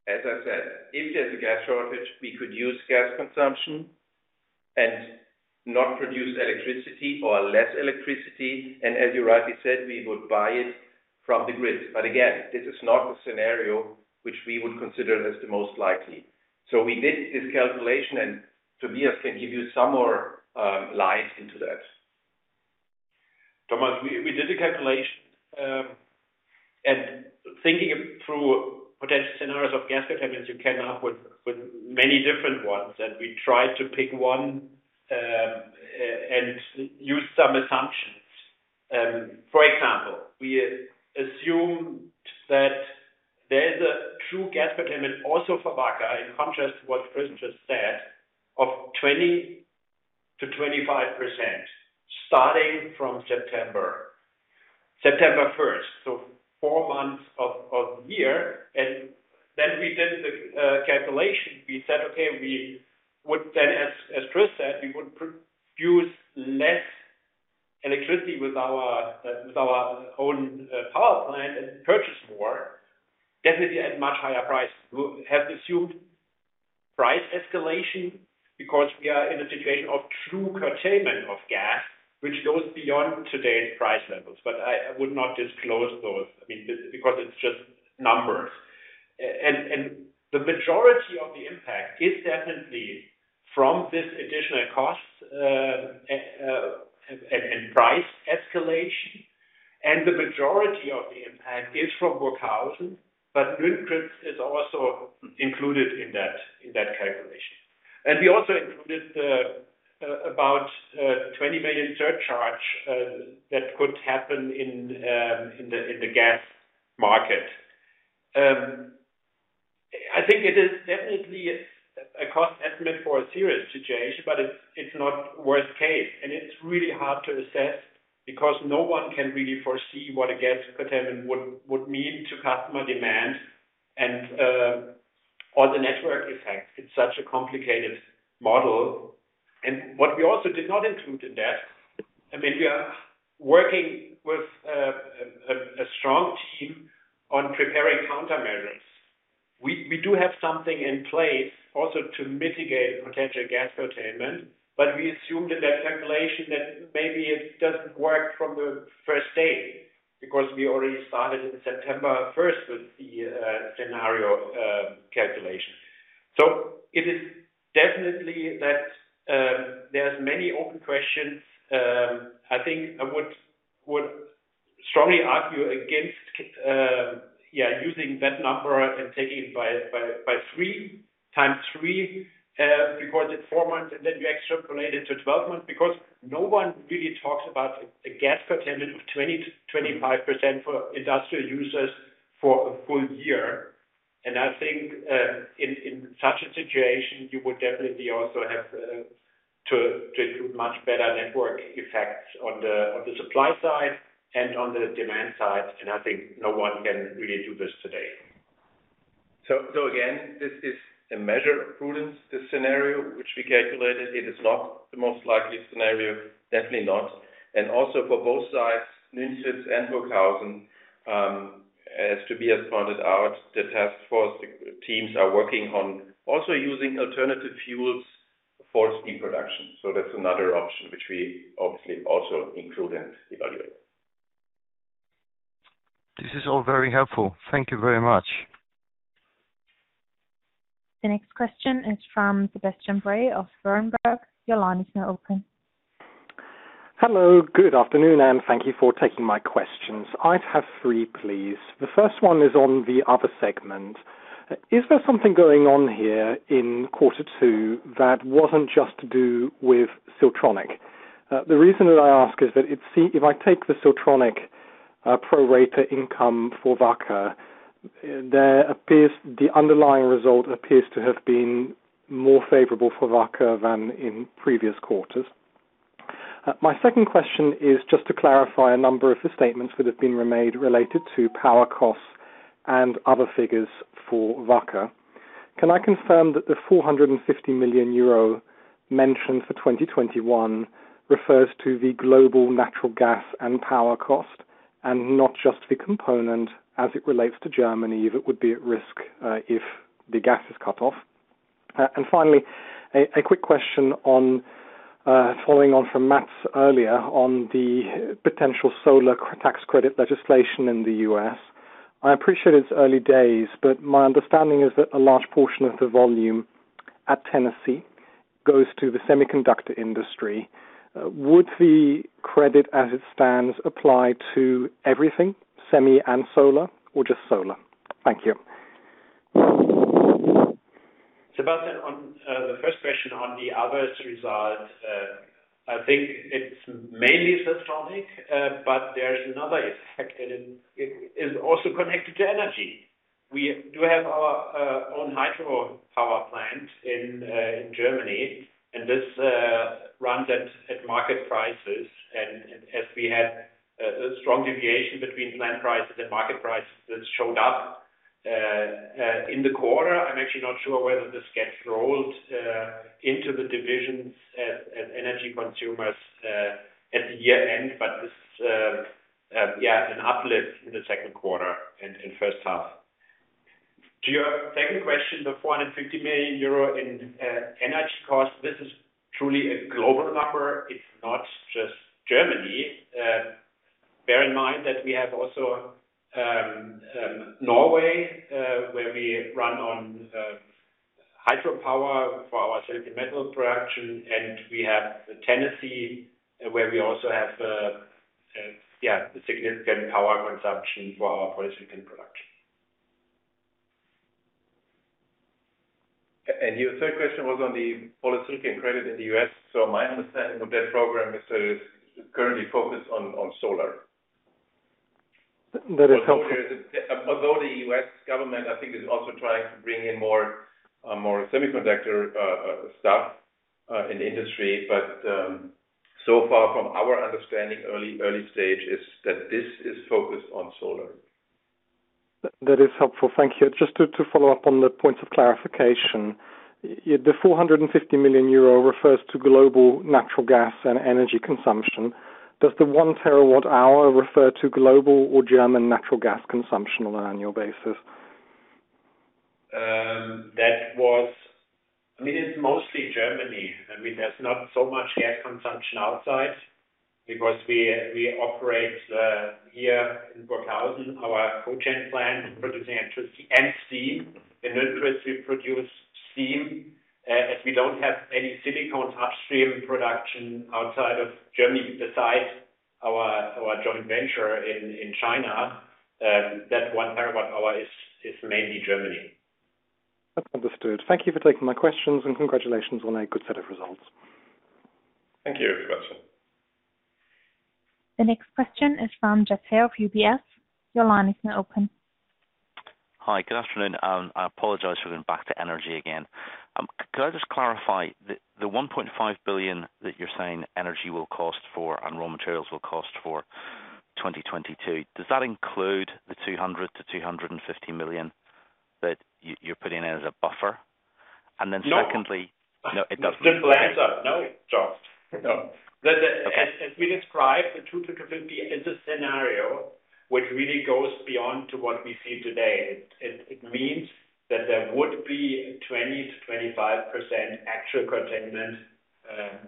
as I said, if there's a gas shortage, we could use gas consumption and not produce electricity or less electricity, and as you rightly said, we would buy it from the grid. But again, this is not the scenario which we would consider as the most likely. We did this calculation, and Tobias can give you some more light into that. Thomas, we did the calculation and thinking through potential scenarios of gas curtailment. You came up with many different ones, and we tried to pick one and use some assumptions. For example, we assumed that there's a true gas curtailment also for Wacker, in contrast to what Chris just said, of 20%-25%, starting from September first so 4 months of the year and then we did the calculation. We said, okay, we would then as Chris said, we would produce less electricity with our own power plant and purchase more, definitely at much higher price. We have assumed price escalation because we are in a situation of true curtailment of gas, which goes beyond today's price levels. I would not disclose those, I mean, because it's just numbers. The majority of the impact is definitely from this additional cost and price escalation. The majority of the impact is from Burghausen, but Nünchritz is also included in that calculation. We also included about 20 million surcharge that could happen in the gas market. I think it is definitely a cost estimate for a serious situation, but it's not worst case. It's really hard to assess because no one can really foresee what a gas curtailment would mean to customer demand and or the network effect. It's such a complicated model and what we also did not include in that, I mean, we are working with a strong team on preparing countermeasures. We do have something in place also to mitigate potential gas curtailment, but we assume that calculation that maybe it doesn't work from the first day because we already started in September first with the scenario calculation. It is definitely that there's many open questions. I think I would strongly argue against using that number and taking it by 3 times 3 because it's 4 months, and then you extrapolate it to 12 months because no one really talks about a gas curtailment of 20%-25% for industrial users for a full year. I think in such a situation, you would definitely also have to include much better network effects on the supply side and on the demand side, and I think no one can really do this today. So again, this is a measure of prudence, this scenario, which we calculated. It is not the most likely scenario, definitely not. Also for both sides, Nünchritz and Burghausen, as Tobias pointed out, the task force teams are working on also using alternative fuels for steam production. That's another option which we obviously also include and evaluate. This is all very helpful. Thank you very much. The next question is from Sebastian Bray of Berenberg. Your line is now open. Hello, good afternoon and thank you for taking my questions. I have three, please. The first one is on the other segment. Is there something going on here in Q2 that wasn't just to do with Siltronic? The reason that I ask is that if I take the Siltronic pro rata income for Wacker, there appears the underlying result appears to have been more favorable for Wacker than in previous quarters. My second question is just to clarify a number of the statements that have been made related to power costs and other figures for Wacker. Can I confirm that the 450 million euro mentioned for 2021 refers to the global natural gas and power cost and not just the component as it relates to Germany that would be at risk, if the gas is cut off? Finally, a quick question on following on from Matt's earlier on the potential solar tax credit legislation in the U.S. I appreciate it's early days, but my understanding is that a large portion of the volume at Tennessee goes to the semiconductor industry. Would the credit as it stands apply to everything, semi and solar, or just solar? Thank you. Sebastian, on the first question on the others result, I think it's mainly Siltronic, but there's another effect, and it is also connected to energy. We do have our own hydropower plant in Germany, and this runs at market prices. As we had a strong deviation between planned prices and market prices that showed up in the quarter, I'm actually not sure whether this gets rolled into the divisions as energy consumers at the year-end. This an uplift in the Q2 and first half. To your second question, the 450 million euro in energy costs, this is truly a global number. It's not just Germany. Bear in mind that we have also Norway, where we run on hydropower for our silicon metal production, and we have the Tennessee, where we also have a significant power consumption for our polysilicon production. Your third question was on the polysilicon credit in the U.S. so my understanding of that program is, it's currently focused on solar. That is helpful. Although the U.S. government, I think, is also trying to bring in more semiconductor stuff in the industry. But so far from our understanding, early stage is that this is focused on solar. That is helpful. Thank you. Just to follow up on the point of clarification, the 450 million euro refers to global natural gas and energy consumption. Does the 1 TWh refer to global or German natural gas consumption on an annual basis? I mean, it's mostly Germany. I mean, there's not so much gas consumption outside because we operate here in Burghausen, our cogen plant is producing electricity and steam. In Nünchritz, we produce steam. As we don't have any silicon upstream production outside of Germany, besides our joint venture in China, that 1 TWh is mainly Germany. That's understood. Thank you for taking my questions and congratulations on a good set of results. Thank you, Sebastian. The next question is from Geoff Haire of UBS. Your line is now open. Hi. Good afternoon, I apologize for going back to energy again. Could I just clarify, the 1.5 billion that you're saying energy will cost for and raw materials will cost for 2022, does that include the 200 million-250 million that you're putting in as a buffer? And then secondly. No. No, it doesn't. Simple answer, no, Geoff Haire. No. Okay. As we described, the 2-50 is a scenario which really goes beyond to what we see today. It means that there would be 20%-25% actual curtailment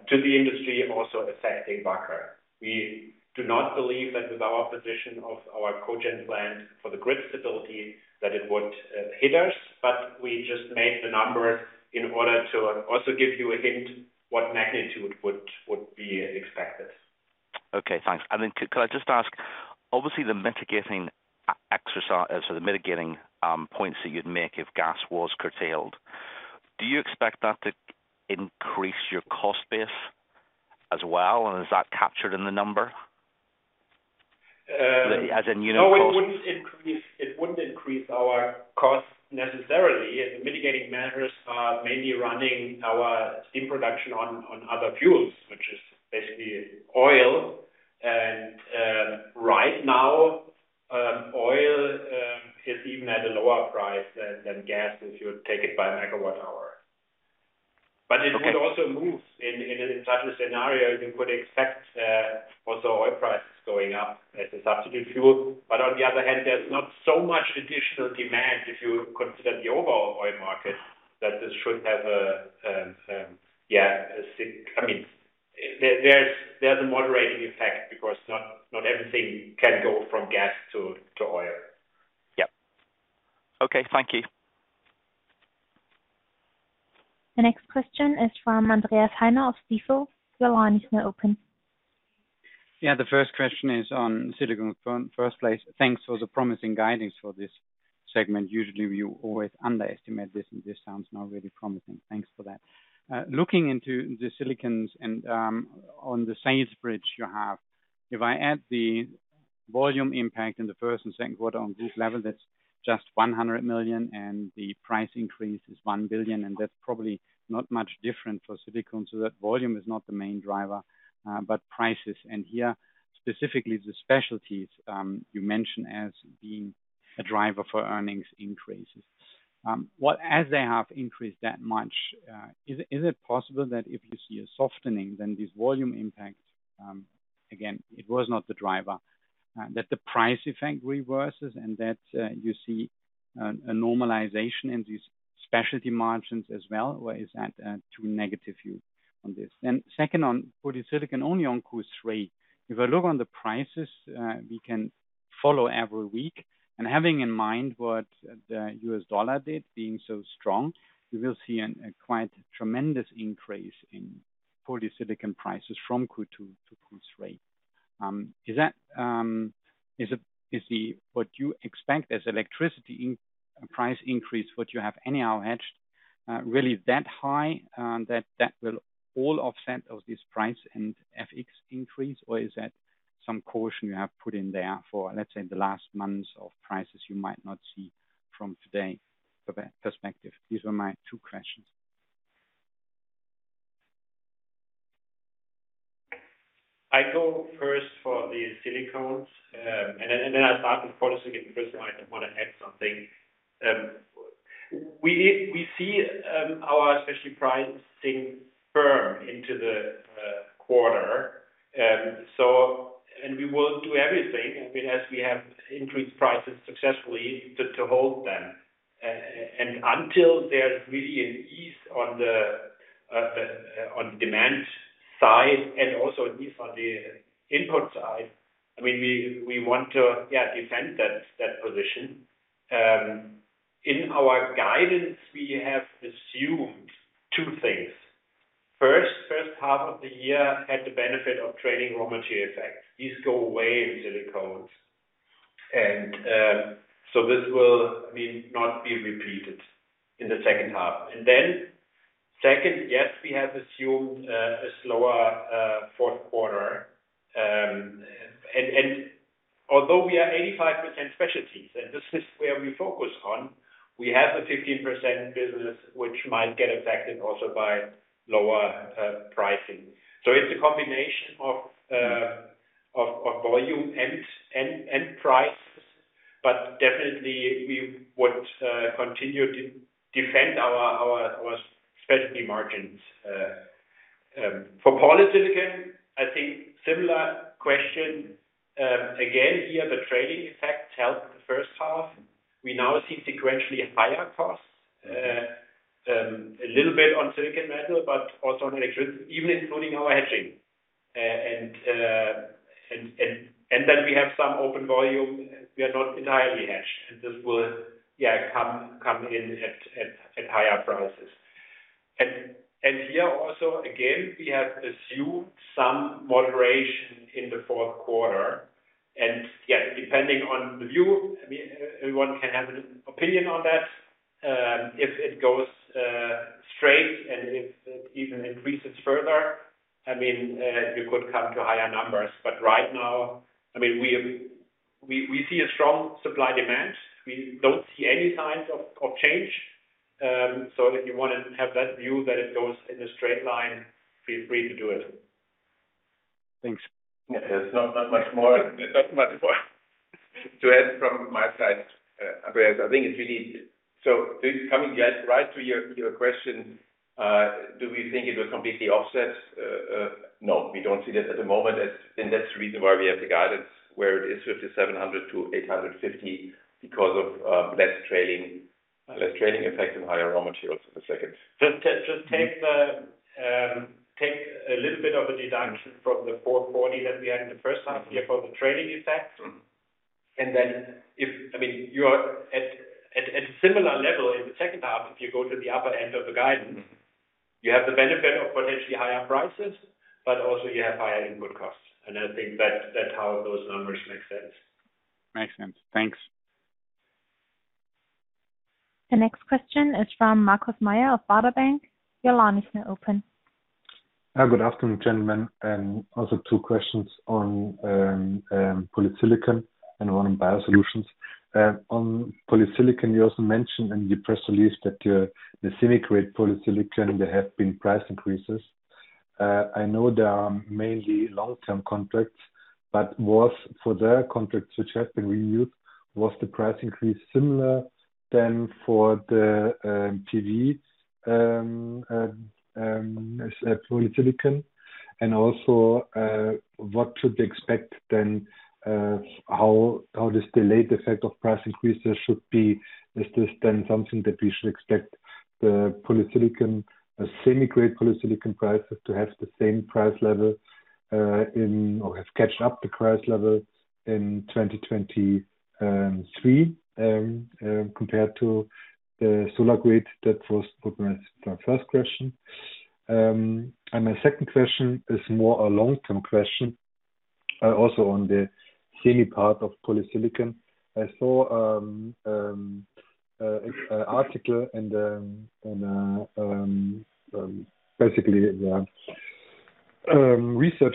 to the industry also affecting Wacker. We do not believe that with our position of our cogen plant for the grid stability that it would hit us, but we just made the numbers in order to also give you a hint what magnitude would be expected. Okay, thanks. Could I just ask, obviously the mitigating points that you'd make if gas was curtailed, do you expect that to increase your cost base as well? Is that captured in the number? Uh. As in unit cost. No, it wouldn't increase our costs necessarily. The mitigating measures are mainly running our steam production on other fuels, which is basically oil. Right now, oil is even at a lower price than gas, if you take it by a MWh. Okay. It could also move in such a scenario, you could expect also oil prices going up as a substitute fuel. On the other hand, there's not so much additional demand if you consider the overall oil market, that this should have a I mean, there's a moderating effect because not everything can go from gas to oil. Yeah. Okay. Thank you. The next question is from Andreas Heine of Stifel. Your line is now open. Yeah. The first question is on silicon. First off, thanks for the promising guidance for this segment. Usually, you always underestimate this, and this sounds now really promising. Thanks for that. Looking into the silicon and on the sales bridge you have, if I add the volume impact in the first and Q2 on this level, that's just 100 million, and the price increase is 1 billion, and that's probably not much different for silicon so that volume is not the main driver, but prices. Here, specifically the specialties, you mentioned as being a driver for earnings increases. As they have increased that much, is it possible that if you see a softening, then this volume impact, again, it was not the driver, that the price effect reverses and that you see a normalization in these specialty margins as well? Or is that too negative view on this? Second, on polysilicon only on Q3, if I look on the prices we can follow every week, and having in mind what the US dollar did, being so strong, we will see a quite tremendous increase in polysilicon prices from Q2 to Q3. Is that what you expect as electricity price increase, what you have anyhow hedged, really that high, that will all offset this price and FX increase, or is that some caution you have put in there for, let's say, the last months of prices you might not see from today's perspective? These are my two questions. I go first for the silicones and then I start with polysilicon 'cause I just wanna add something. We see our specialty pricing in the quarter. We will do everything, I mean, as we have increased prices successfully to hold them and until there's really an ease on the demand side and also an ease on the input side, I mean, we want to defend that position. In our guidance, we have assumed two things. First half of the year had the benefit of trailing raw material effect, these go away in silicones. This will, I mean, not be repeated in the second half and then have assumed a slower Q4. Although we are 85% specialties, and this is where we focus on, we have a 15% business which might get affected also by lower pricing. It's a combination of volume and prices, but definitely we would continue to defend our specialty margins. For polysilicon, I think similar question. Again, here the trading effect helped the first half. We now see sequentially higher costs, a little bit on silicon metal, but also on electricity, even including our hedging. Then we have some open volume. We are not entirely hedged, and this will come in at higher prices. Here also again, we have assumed some moderation in the Q4. Yeah, depending on the view, I mean, everyone can have an opinion on that. If it goes straight and if it even increases further, I mean, we could come to higher numbers. But right now, I mean, we see a strong supply-demand. We don't see any signs of change. If you want to have that view that it goes in a straight line, feel free to do it. Thanks. Yeah. There's not much more to add from my side, Andreas. I think it's really. Just coming right to your question, do we think it will completely offset? No, we don't see that at the moment. That's the reason why we have the guidance where it is 5,700-850 because of less trading. Less trading effect and higher raw materials is the second. Just take a little bit of a deduction from the 440 that we had in the first half year for the trading effect. I mean, you are at similar level in the second half, if you go to the upper end of the guidance, you have the benefit of potentially higher prices, but also you have higher input costs. I think that's how those numbers make sense. Makes sense. Thanks. The next question is from Markus Mayer of Baader Bank. Your line is now open. Hi, good afternoon, gentlemen, and also two questions on polysilicon and one on biosolutions. On polysilicon, you also mentioned in your press release that the semi-grade polysilicon there have been price increases. I know there are mainly long-term contracts, but for their contracts which have been renewed, was the price increase similar than for the PV polysilicon? Also, what should we expect then, how this delayed effect of price increases should be? Is this then something that we should expect the semi-grade polysilicon prices to have the same price level or have caught up the price level in 2023 compared to the solar grade? That was my first question. My second question is more a long-term question, also on the semi part of polysilicon. I saw a research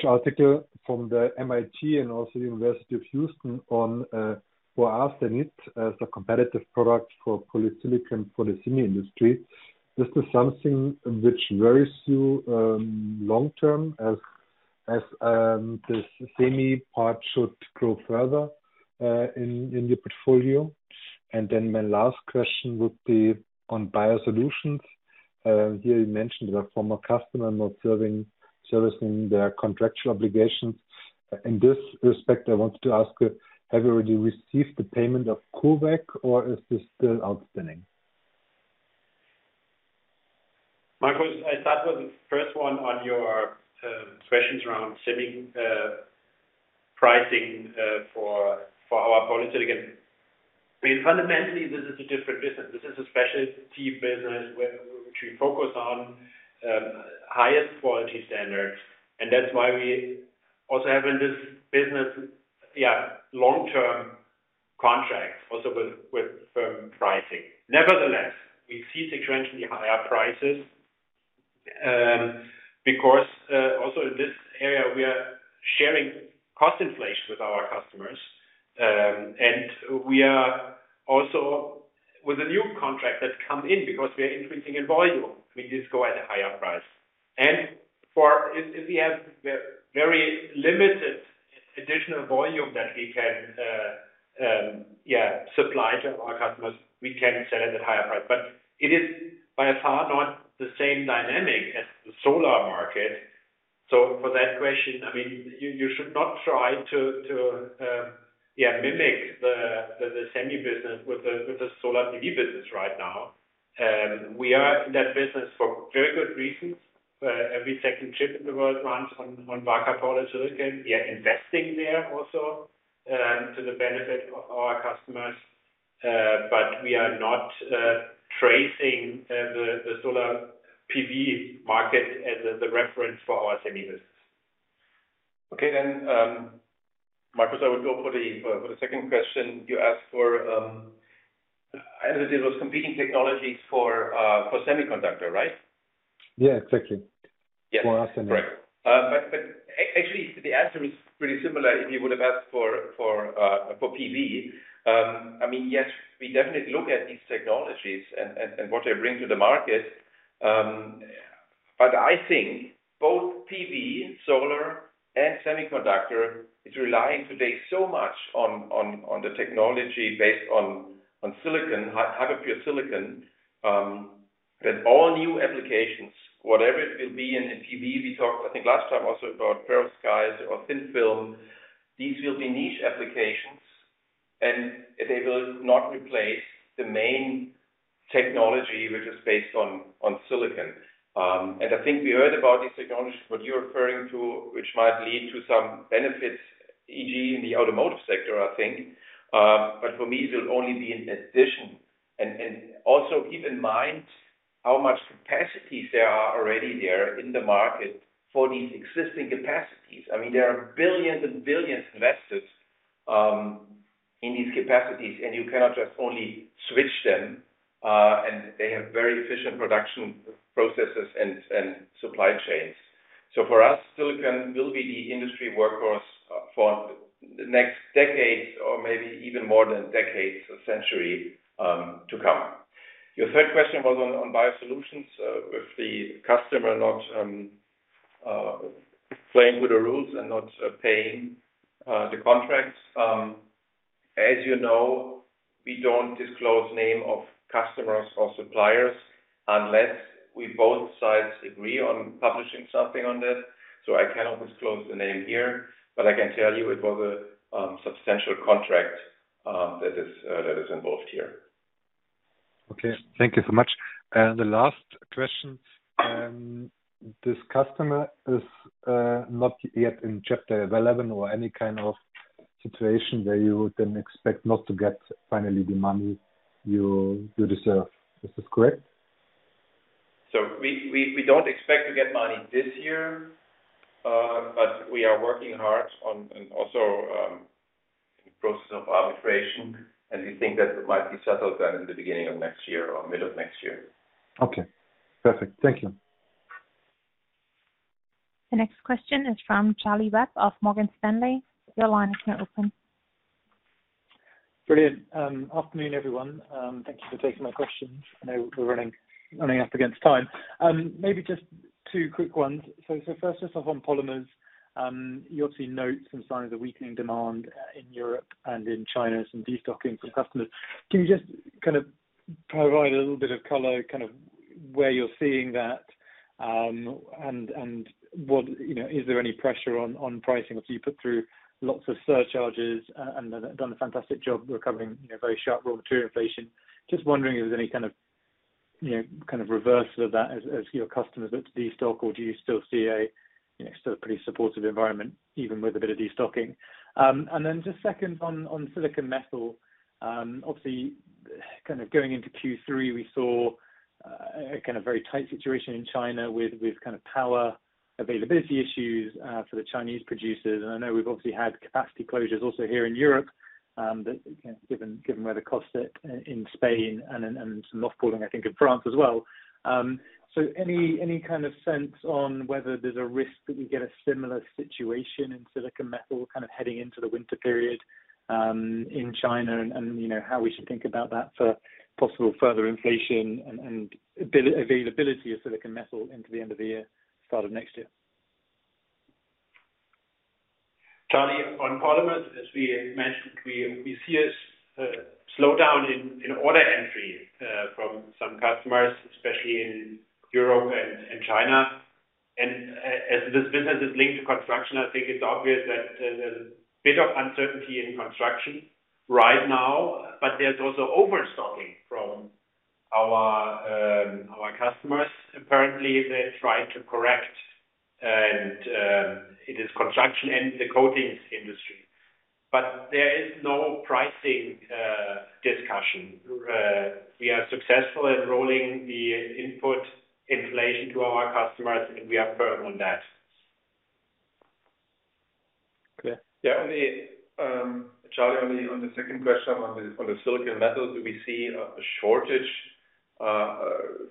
article from the MIT and also University of Houston on gallium arsenide as a competitive product for polysilicon for the semi industry. Is this something which worries you long term as this semi part should grow further in your portfolio? Then my last question would be on biosolutions. Here you mentioned a former customer not servicing their contractual obligations. In this respect, I wanted to ask, have you already received the payment of CureVac or is this still outstanding? Markus, I start with the first one on your questions around semi pricing for our polysilicon. I mean, fundamentally, this is a different business. This is a specialty business which we focus on highest quality standards. That's why we also have in this business long-term contracts also with firm pricing. Nevertheless, we see sequentially higher prices because also in this area, we are sharing cost inflation with our customers. We are also with a new contract that come in because we are increasing in volume, we just go at a higher price. If we have very limited additional volume that we can supply to our customers, we can sell it at higher price. It is by far not the same dynamic as the solar market. For that question, I mean, you should not try to mimic the semi business with the solar PV business right now. We are in that business for very good reasons. Every second chip in the world runs on Wacker Polysilicon. We are investing there also to the benefit of our customers. But we are not tracing the solar PV market as the reference for our semi business. Okay then, Markus, I would go for the second question. You asked for, I think it was competing technologies for semiconductor, right? Yeah, exactly. Yes. For arsenide. Correct. Actually, the answer is pretty similar if you would have asked for PV. I mean, yes, we definitely look at these technologies and what they bring to the market. I think both PV, solar, and semiconductor is relying today so much on the technology based on silicon, high-pure silicon, that all new applications, whatever it will be in PV, we talked, I think last time also about perovskites or thin-film, these will be niche applications, and they will not replace the main technology which is based on silicon. I think we heard about these technologies, what you're referring to, which might lead to some benefits, e.g., in the automotive sector, I think. For me it will only be an addition. Also keep in mind how much capacities there are already there in the market for these existing capacities. I mean, there are billions and billions invested in these capacities, and you cannot just only switch them, and they have very efficient production processes and supply chains. For us, silicon will be the industry workhorse for the next decades or maybe even more than decades, a century to come. Your third question was on Biosolutions, with the customer not playing with the rules and not paying the contracts. As you know, we don't disclose name of customers or suppliers. Unless both sides agree on publishing something on that. I cannot disclose the name here, but I can tell you it was a substantial contract that is involved here. Okay. Thank you so much. And the last question, this customer is not yet in Chapter 11 or any kind of situation where you would then expect not to get finally the money you deserve. This is correct? We don't expect to get money this year, but we are working hard on and also in the process of arbitration, and we think that it might be settled then in the beginning of next year or middle of next year. Okay, perfect. Thank you. The next question is from Charlie Webb of Morgan Stanley. Your line is now open. Brilliant. Afternoon, everyone. Thank you for taking my questions. I know we're running up against time. Maybe just two quick ones. First just off on polymers. You obviously note some signs of weakening demand in Europe and in China, some destocking from customers. Can you just kind of provide a little bit of color, kind of where you're seeing that, and what. You know, is there any pressure on pricing? Obviously, you put through lots of surcharges and done a fantastic job recovering, you know, very sharp raw material inflation. Just wondering if there's any kind of, you know, kind of reversal of that as your customers look to destock, or do you still see a, you know, still a pretty supportive environment even with a bit of destocking? Just second on silicon metal. Obviously kind of going into Q3, we saw a kind of very tight situation in China with kind of power availability issues for the Chinese producers. I know we've obviously had capacity closures also here in Europe, that you know given where the costs sit in Spain and some off pulling I think in France as well. Any kind of sense on whether there's a risk that we get a similar situation in silicon metal kind of heading into the winter period in China? You know how we should think about that for possible further inflation and availability of silicon metal into the end of the year, start of next year. Charlie, on polymers, as we mentioned, we see a slowdown in order entry from some customers, especially in Europe and China. As this business is linked to construction, I think it's obvious that there's a bit of uncertainty in construction right now, but there's also overstocking from our customers. Apparently, they're trying to correct, and it is construction and the coatings industry. There is no pricing discussion. We are successful in rolling the input inflation to our customers, and we are firm on that. Okay. Yeah. Only, Charlie, only on the second question on the silicon metal, do we see a shortage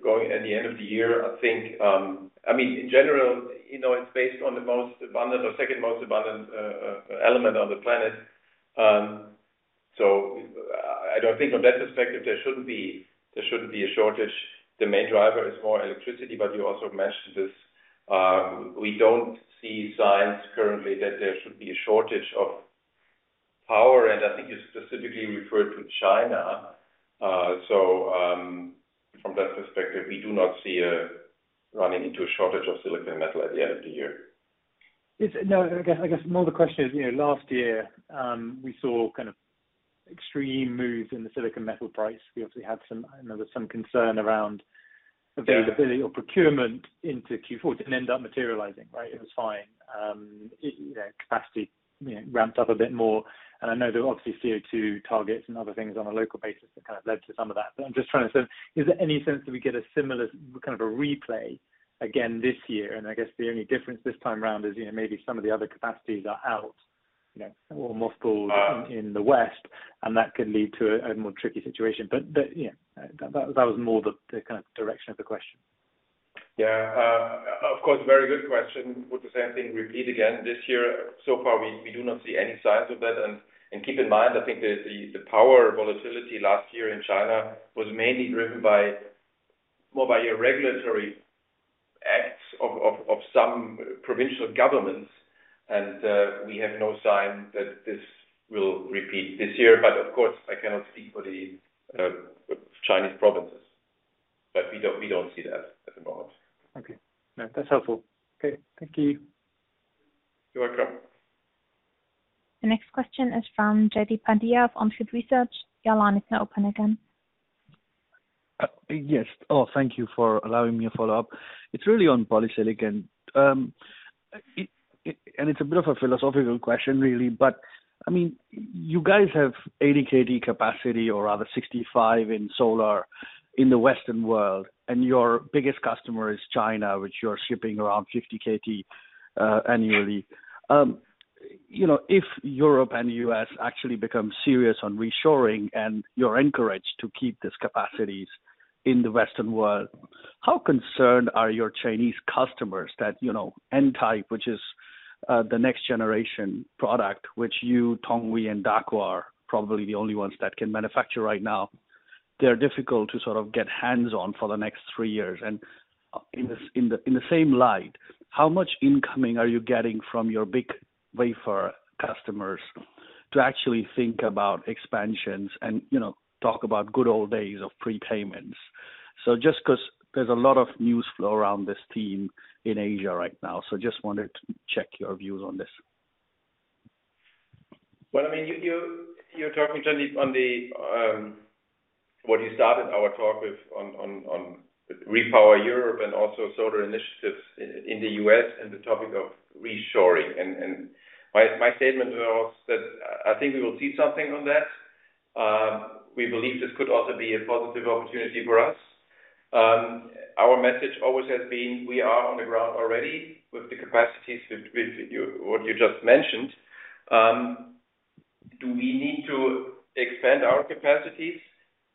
going on at the end of the year? I think, I mean, in general, you know, it's based on the most abundant or second most abundant element on the planet. So I don't think from that perspective there shouldn't be a shortage. The main driver is more electricity, but you also mentioned this. We don't see signs currently that there should be a shortage of power, and I think you specifically referred to China. So, from that perspective, we do not see a running into a shortage of silicon metal at the end of the year. Yes. No, I guess more the question is, you know, last year, we saw kind of extreme moves in the silicon metal price. We obviously had some, I know there was some concern around availability or procurement into Q4. It didn't end up materializing, right? It was fine. You know, capacity, you know, ramped up a bit more. I know there were obviously CO2 targets and other things on a local basis that kind of led to some of that. I'm just trying to. Is there any sense that we get a similar kind of a replay again this year? I guess the only difference this time around is, you know, maybe some of the other capacities are out, you know, or most pulled in the West, and that could lead to a more tricky situation. Yeah, that was more the kind of direction of the question. Yeah. Of course, very good question. Would the same thing repeat again this year? So far, we do not see any signs of that. Keep in mind, I think the power volatility last year in China was mainly driven more by regulatory acts of some provincial governments. We have no sign that this will repeat this year. Of course, I cannot speak for the Chinese provinces. We don't see that at the moment. Okay. No, that's helpful. Okay. Thank you. You're welcome. The next question is from Jaideep Pandya of On Field Investment Research. Your line is now open again. Yes. Oh, thank you for allowing me to follow up. It's really on polysilicon. It's a bit of a philosophical question really, but I mean, you guys have 80 KT capacity or rather 65 in solar in the Western world, and your biggest customer is China, which you're shipping around 50 KT annually. You know, if Europe and US actually become serious on reshoring and you're encouraged to keep these capacities in the Western world, how concerned are your Chinese customers that, you know, N-type, which is the next generation product, which you, Tongwei and Daqo are probably the only ones that can manufacture right now, they're difficult to sort of get hands-on for the next 3 years. In the same light, how much incoming are you getting from your big wafer customers to actually think about expansions and, you know, talk about good old days of prepayments. Just 'cause there's a lot of news flow around this theme in Asia right now, just wanted to check your views on this. Well, I mean, you're talking, Jaideep, on what you started our talk with on REPowerEU and also solar initiatives in the US and the topic of reshoring. My statement was that I think we will see something on that. We believe this could also be a positive opportunity for us. Our message always has been, we are on the ground already with the capacities with you, what you just mentioned. Do we need to expand our capacities?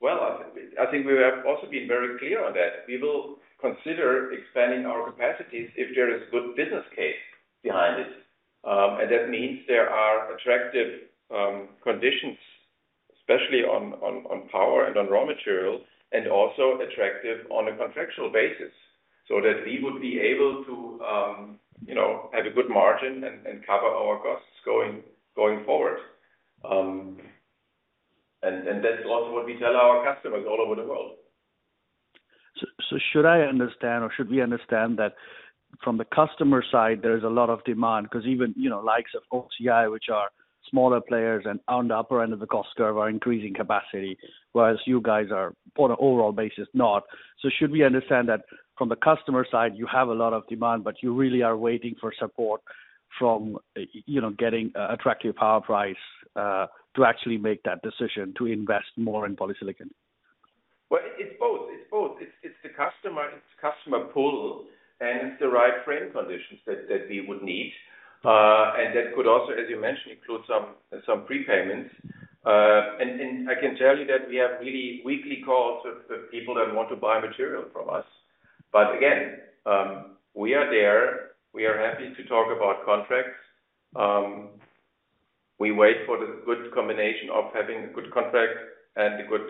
Well, I think we have also been very clear on that. We will consider expanding our capacities if there is good business case behind it. That means there are attractive conditions, especially on power and on raw materials, and also attractive on a contractual basis, so that we would be able to, you know, have a good margin and cover our costs going forward. That's also what we tell our customers all over the world. Should I understand or should we understand that from the customer side, there is a lot of demand 'cause even, you know, the likes of OCI, which are smaller players and on the upper end of the cost curve, are increasing capacity, whereas you guys are, on an overall basis, not. should we understand that from the customer side, you have a lot of demand, but you really are waiting for support from, you know, getting attractive power price to actually make that decision to invest more in polysilicon? Well, it's both. It's the customer pull, and the right framework conditions that we would need. That could also, as you mentioned, include some prepayments. I can tell you that we have regular weekly calls with people that want to buy material from us. Again, we are there. We are happy to talk about contracts. We wait for the good combination of having a good contract and good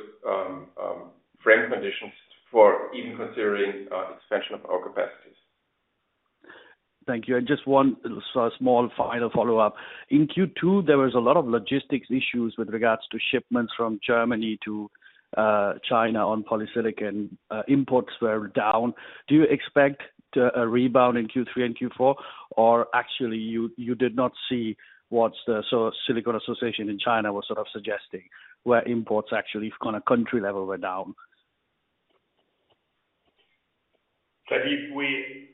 framework conditions for even considering expansion of our capacities. Thank you. Just one small final follow-up. In Q2, there was a lot of logistics issues with regards to shipments from Germany to China on polysilicon. Imports were down. Do you expect a rebound in Q3 and Q4? Or actually you did not see so Silicon Association in China was sort of suggesting, where imports actually on a country level were down. Jaideep, we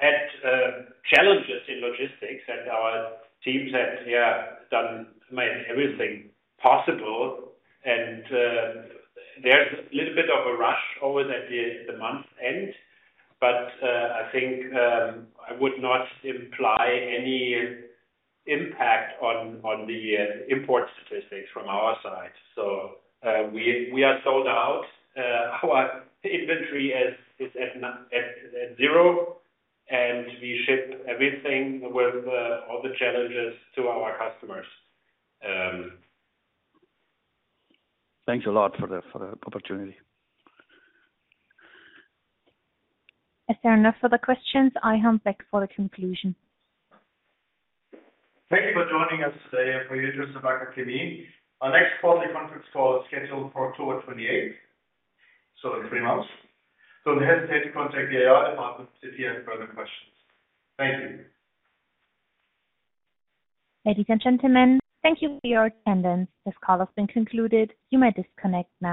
had challenges in logistics and our teams have made everything possible. There's a little bit of a rush always at the month end. I think I would not imply any impact on the import statistics from our side. We are sold out. Our inventory is at zero, and we ship everything with all the challenges to our customers. Thanks a lot for the opportunity. Is there no further questions? I hand back for the conclusion. Thank you for joining us today and for your interest in Wacker Chemie. Our next quarterly conference call is scheduled for October 28th, so in 3 months. Don't hesitate to contact the IR department if you have further questions. Thank you. Ladies and gentlemen, thank you for your attendance. This call has been concluded. You may disconnect now.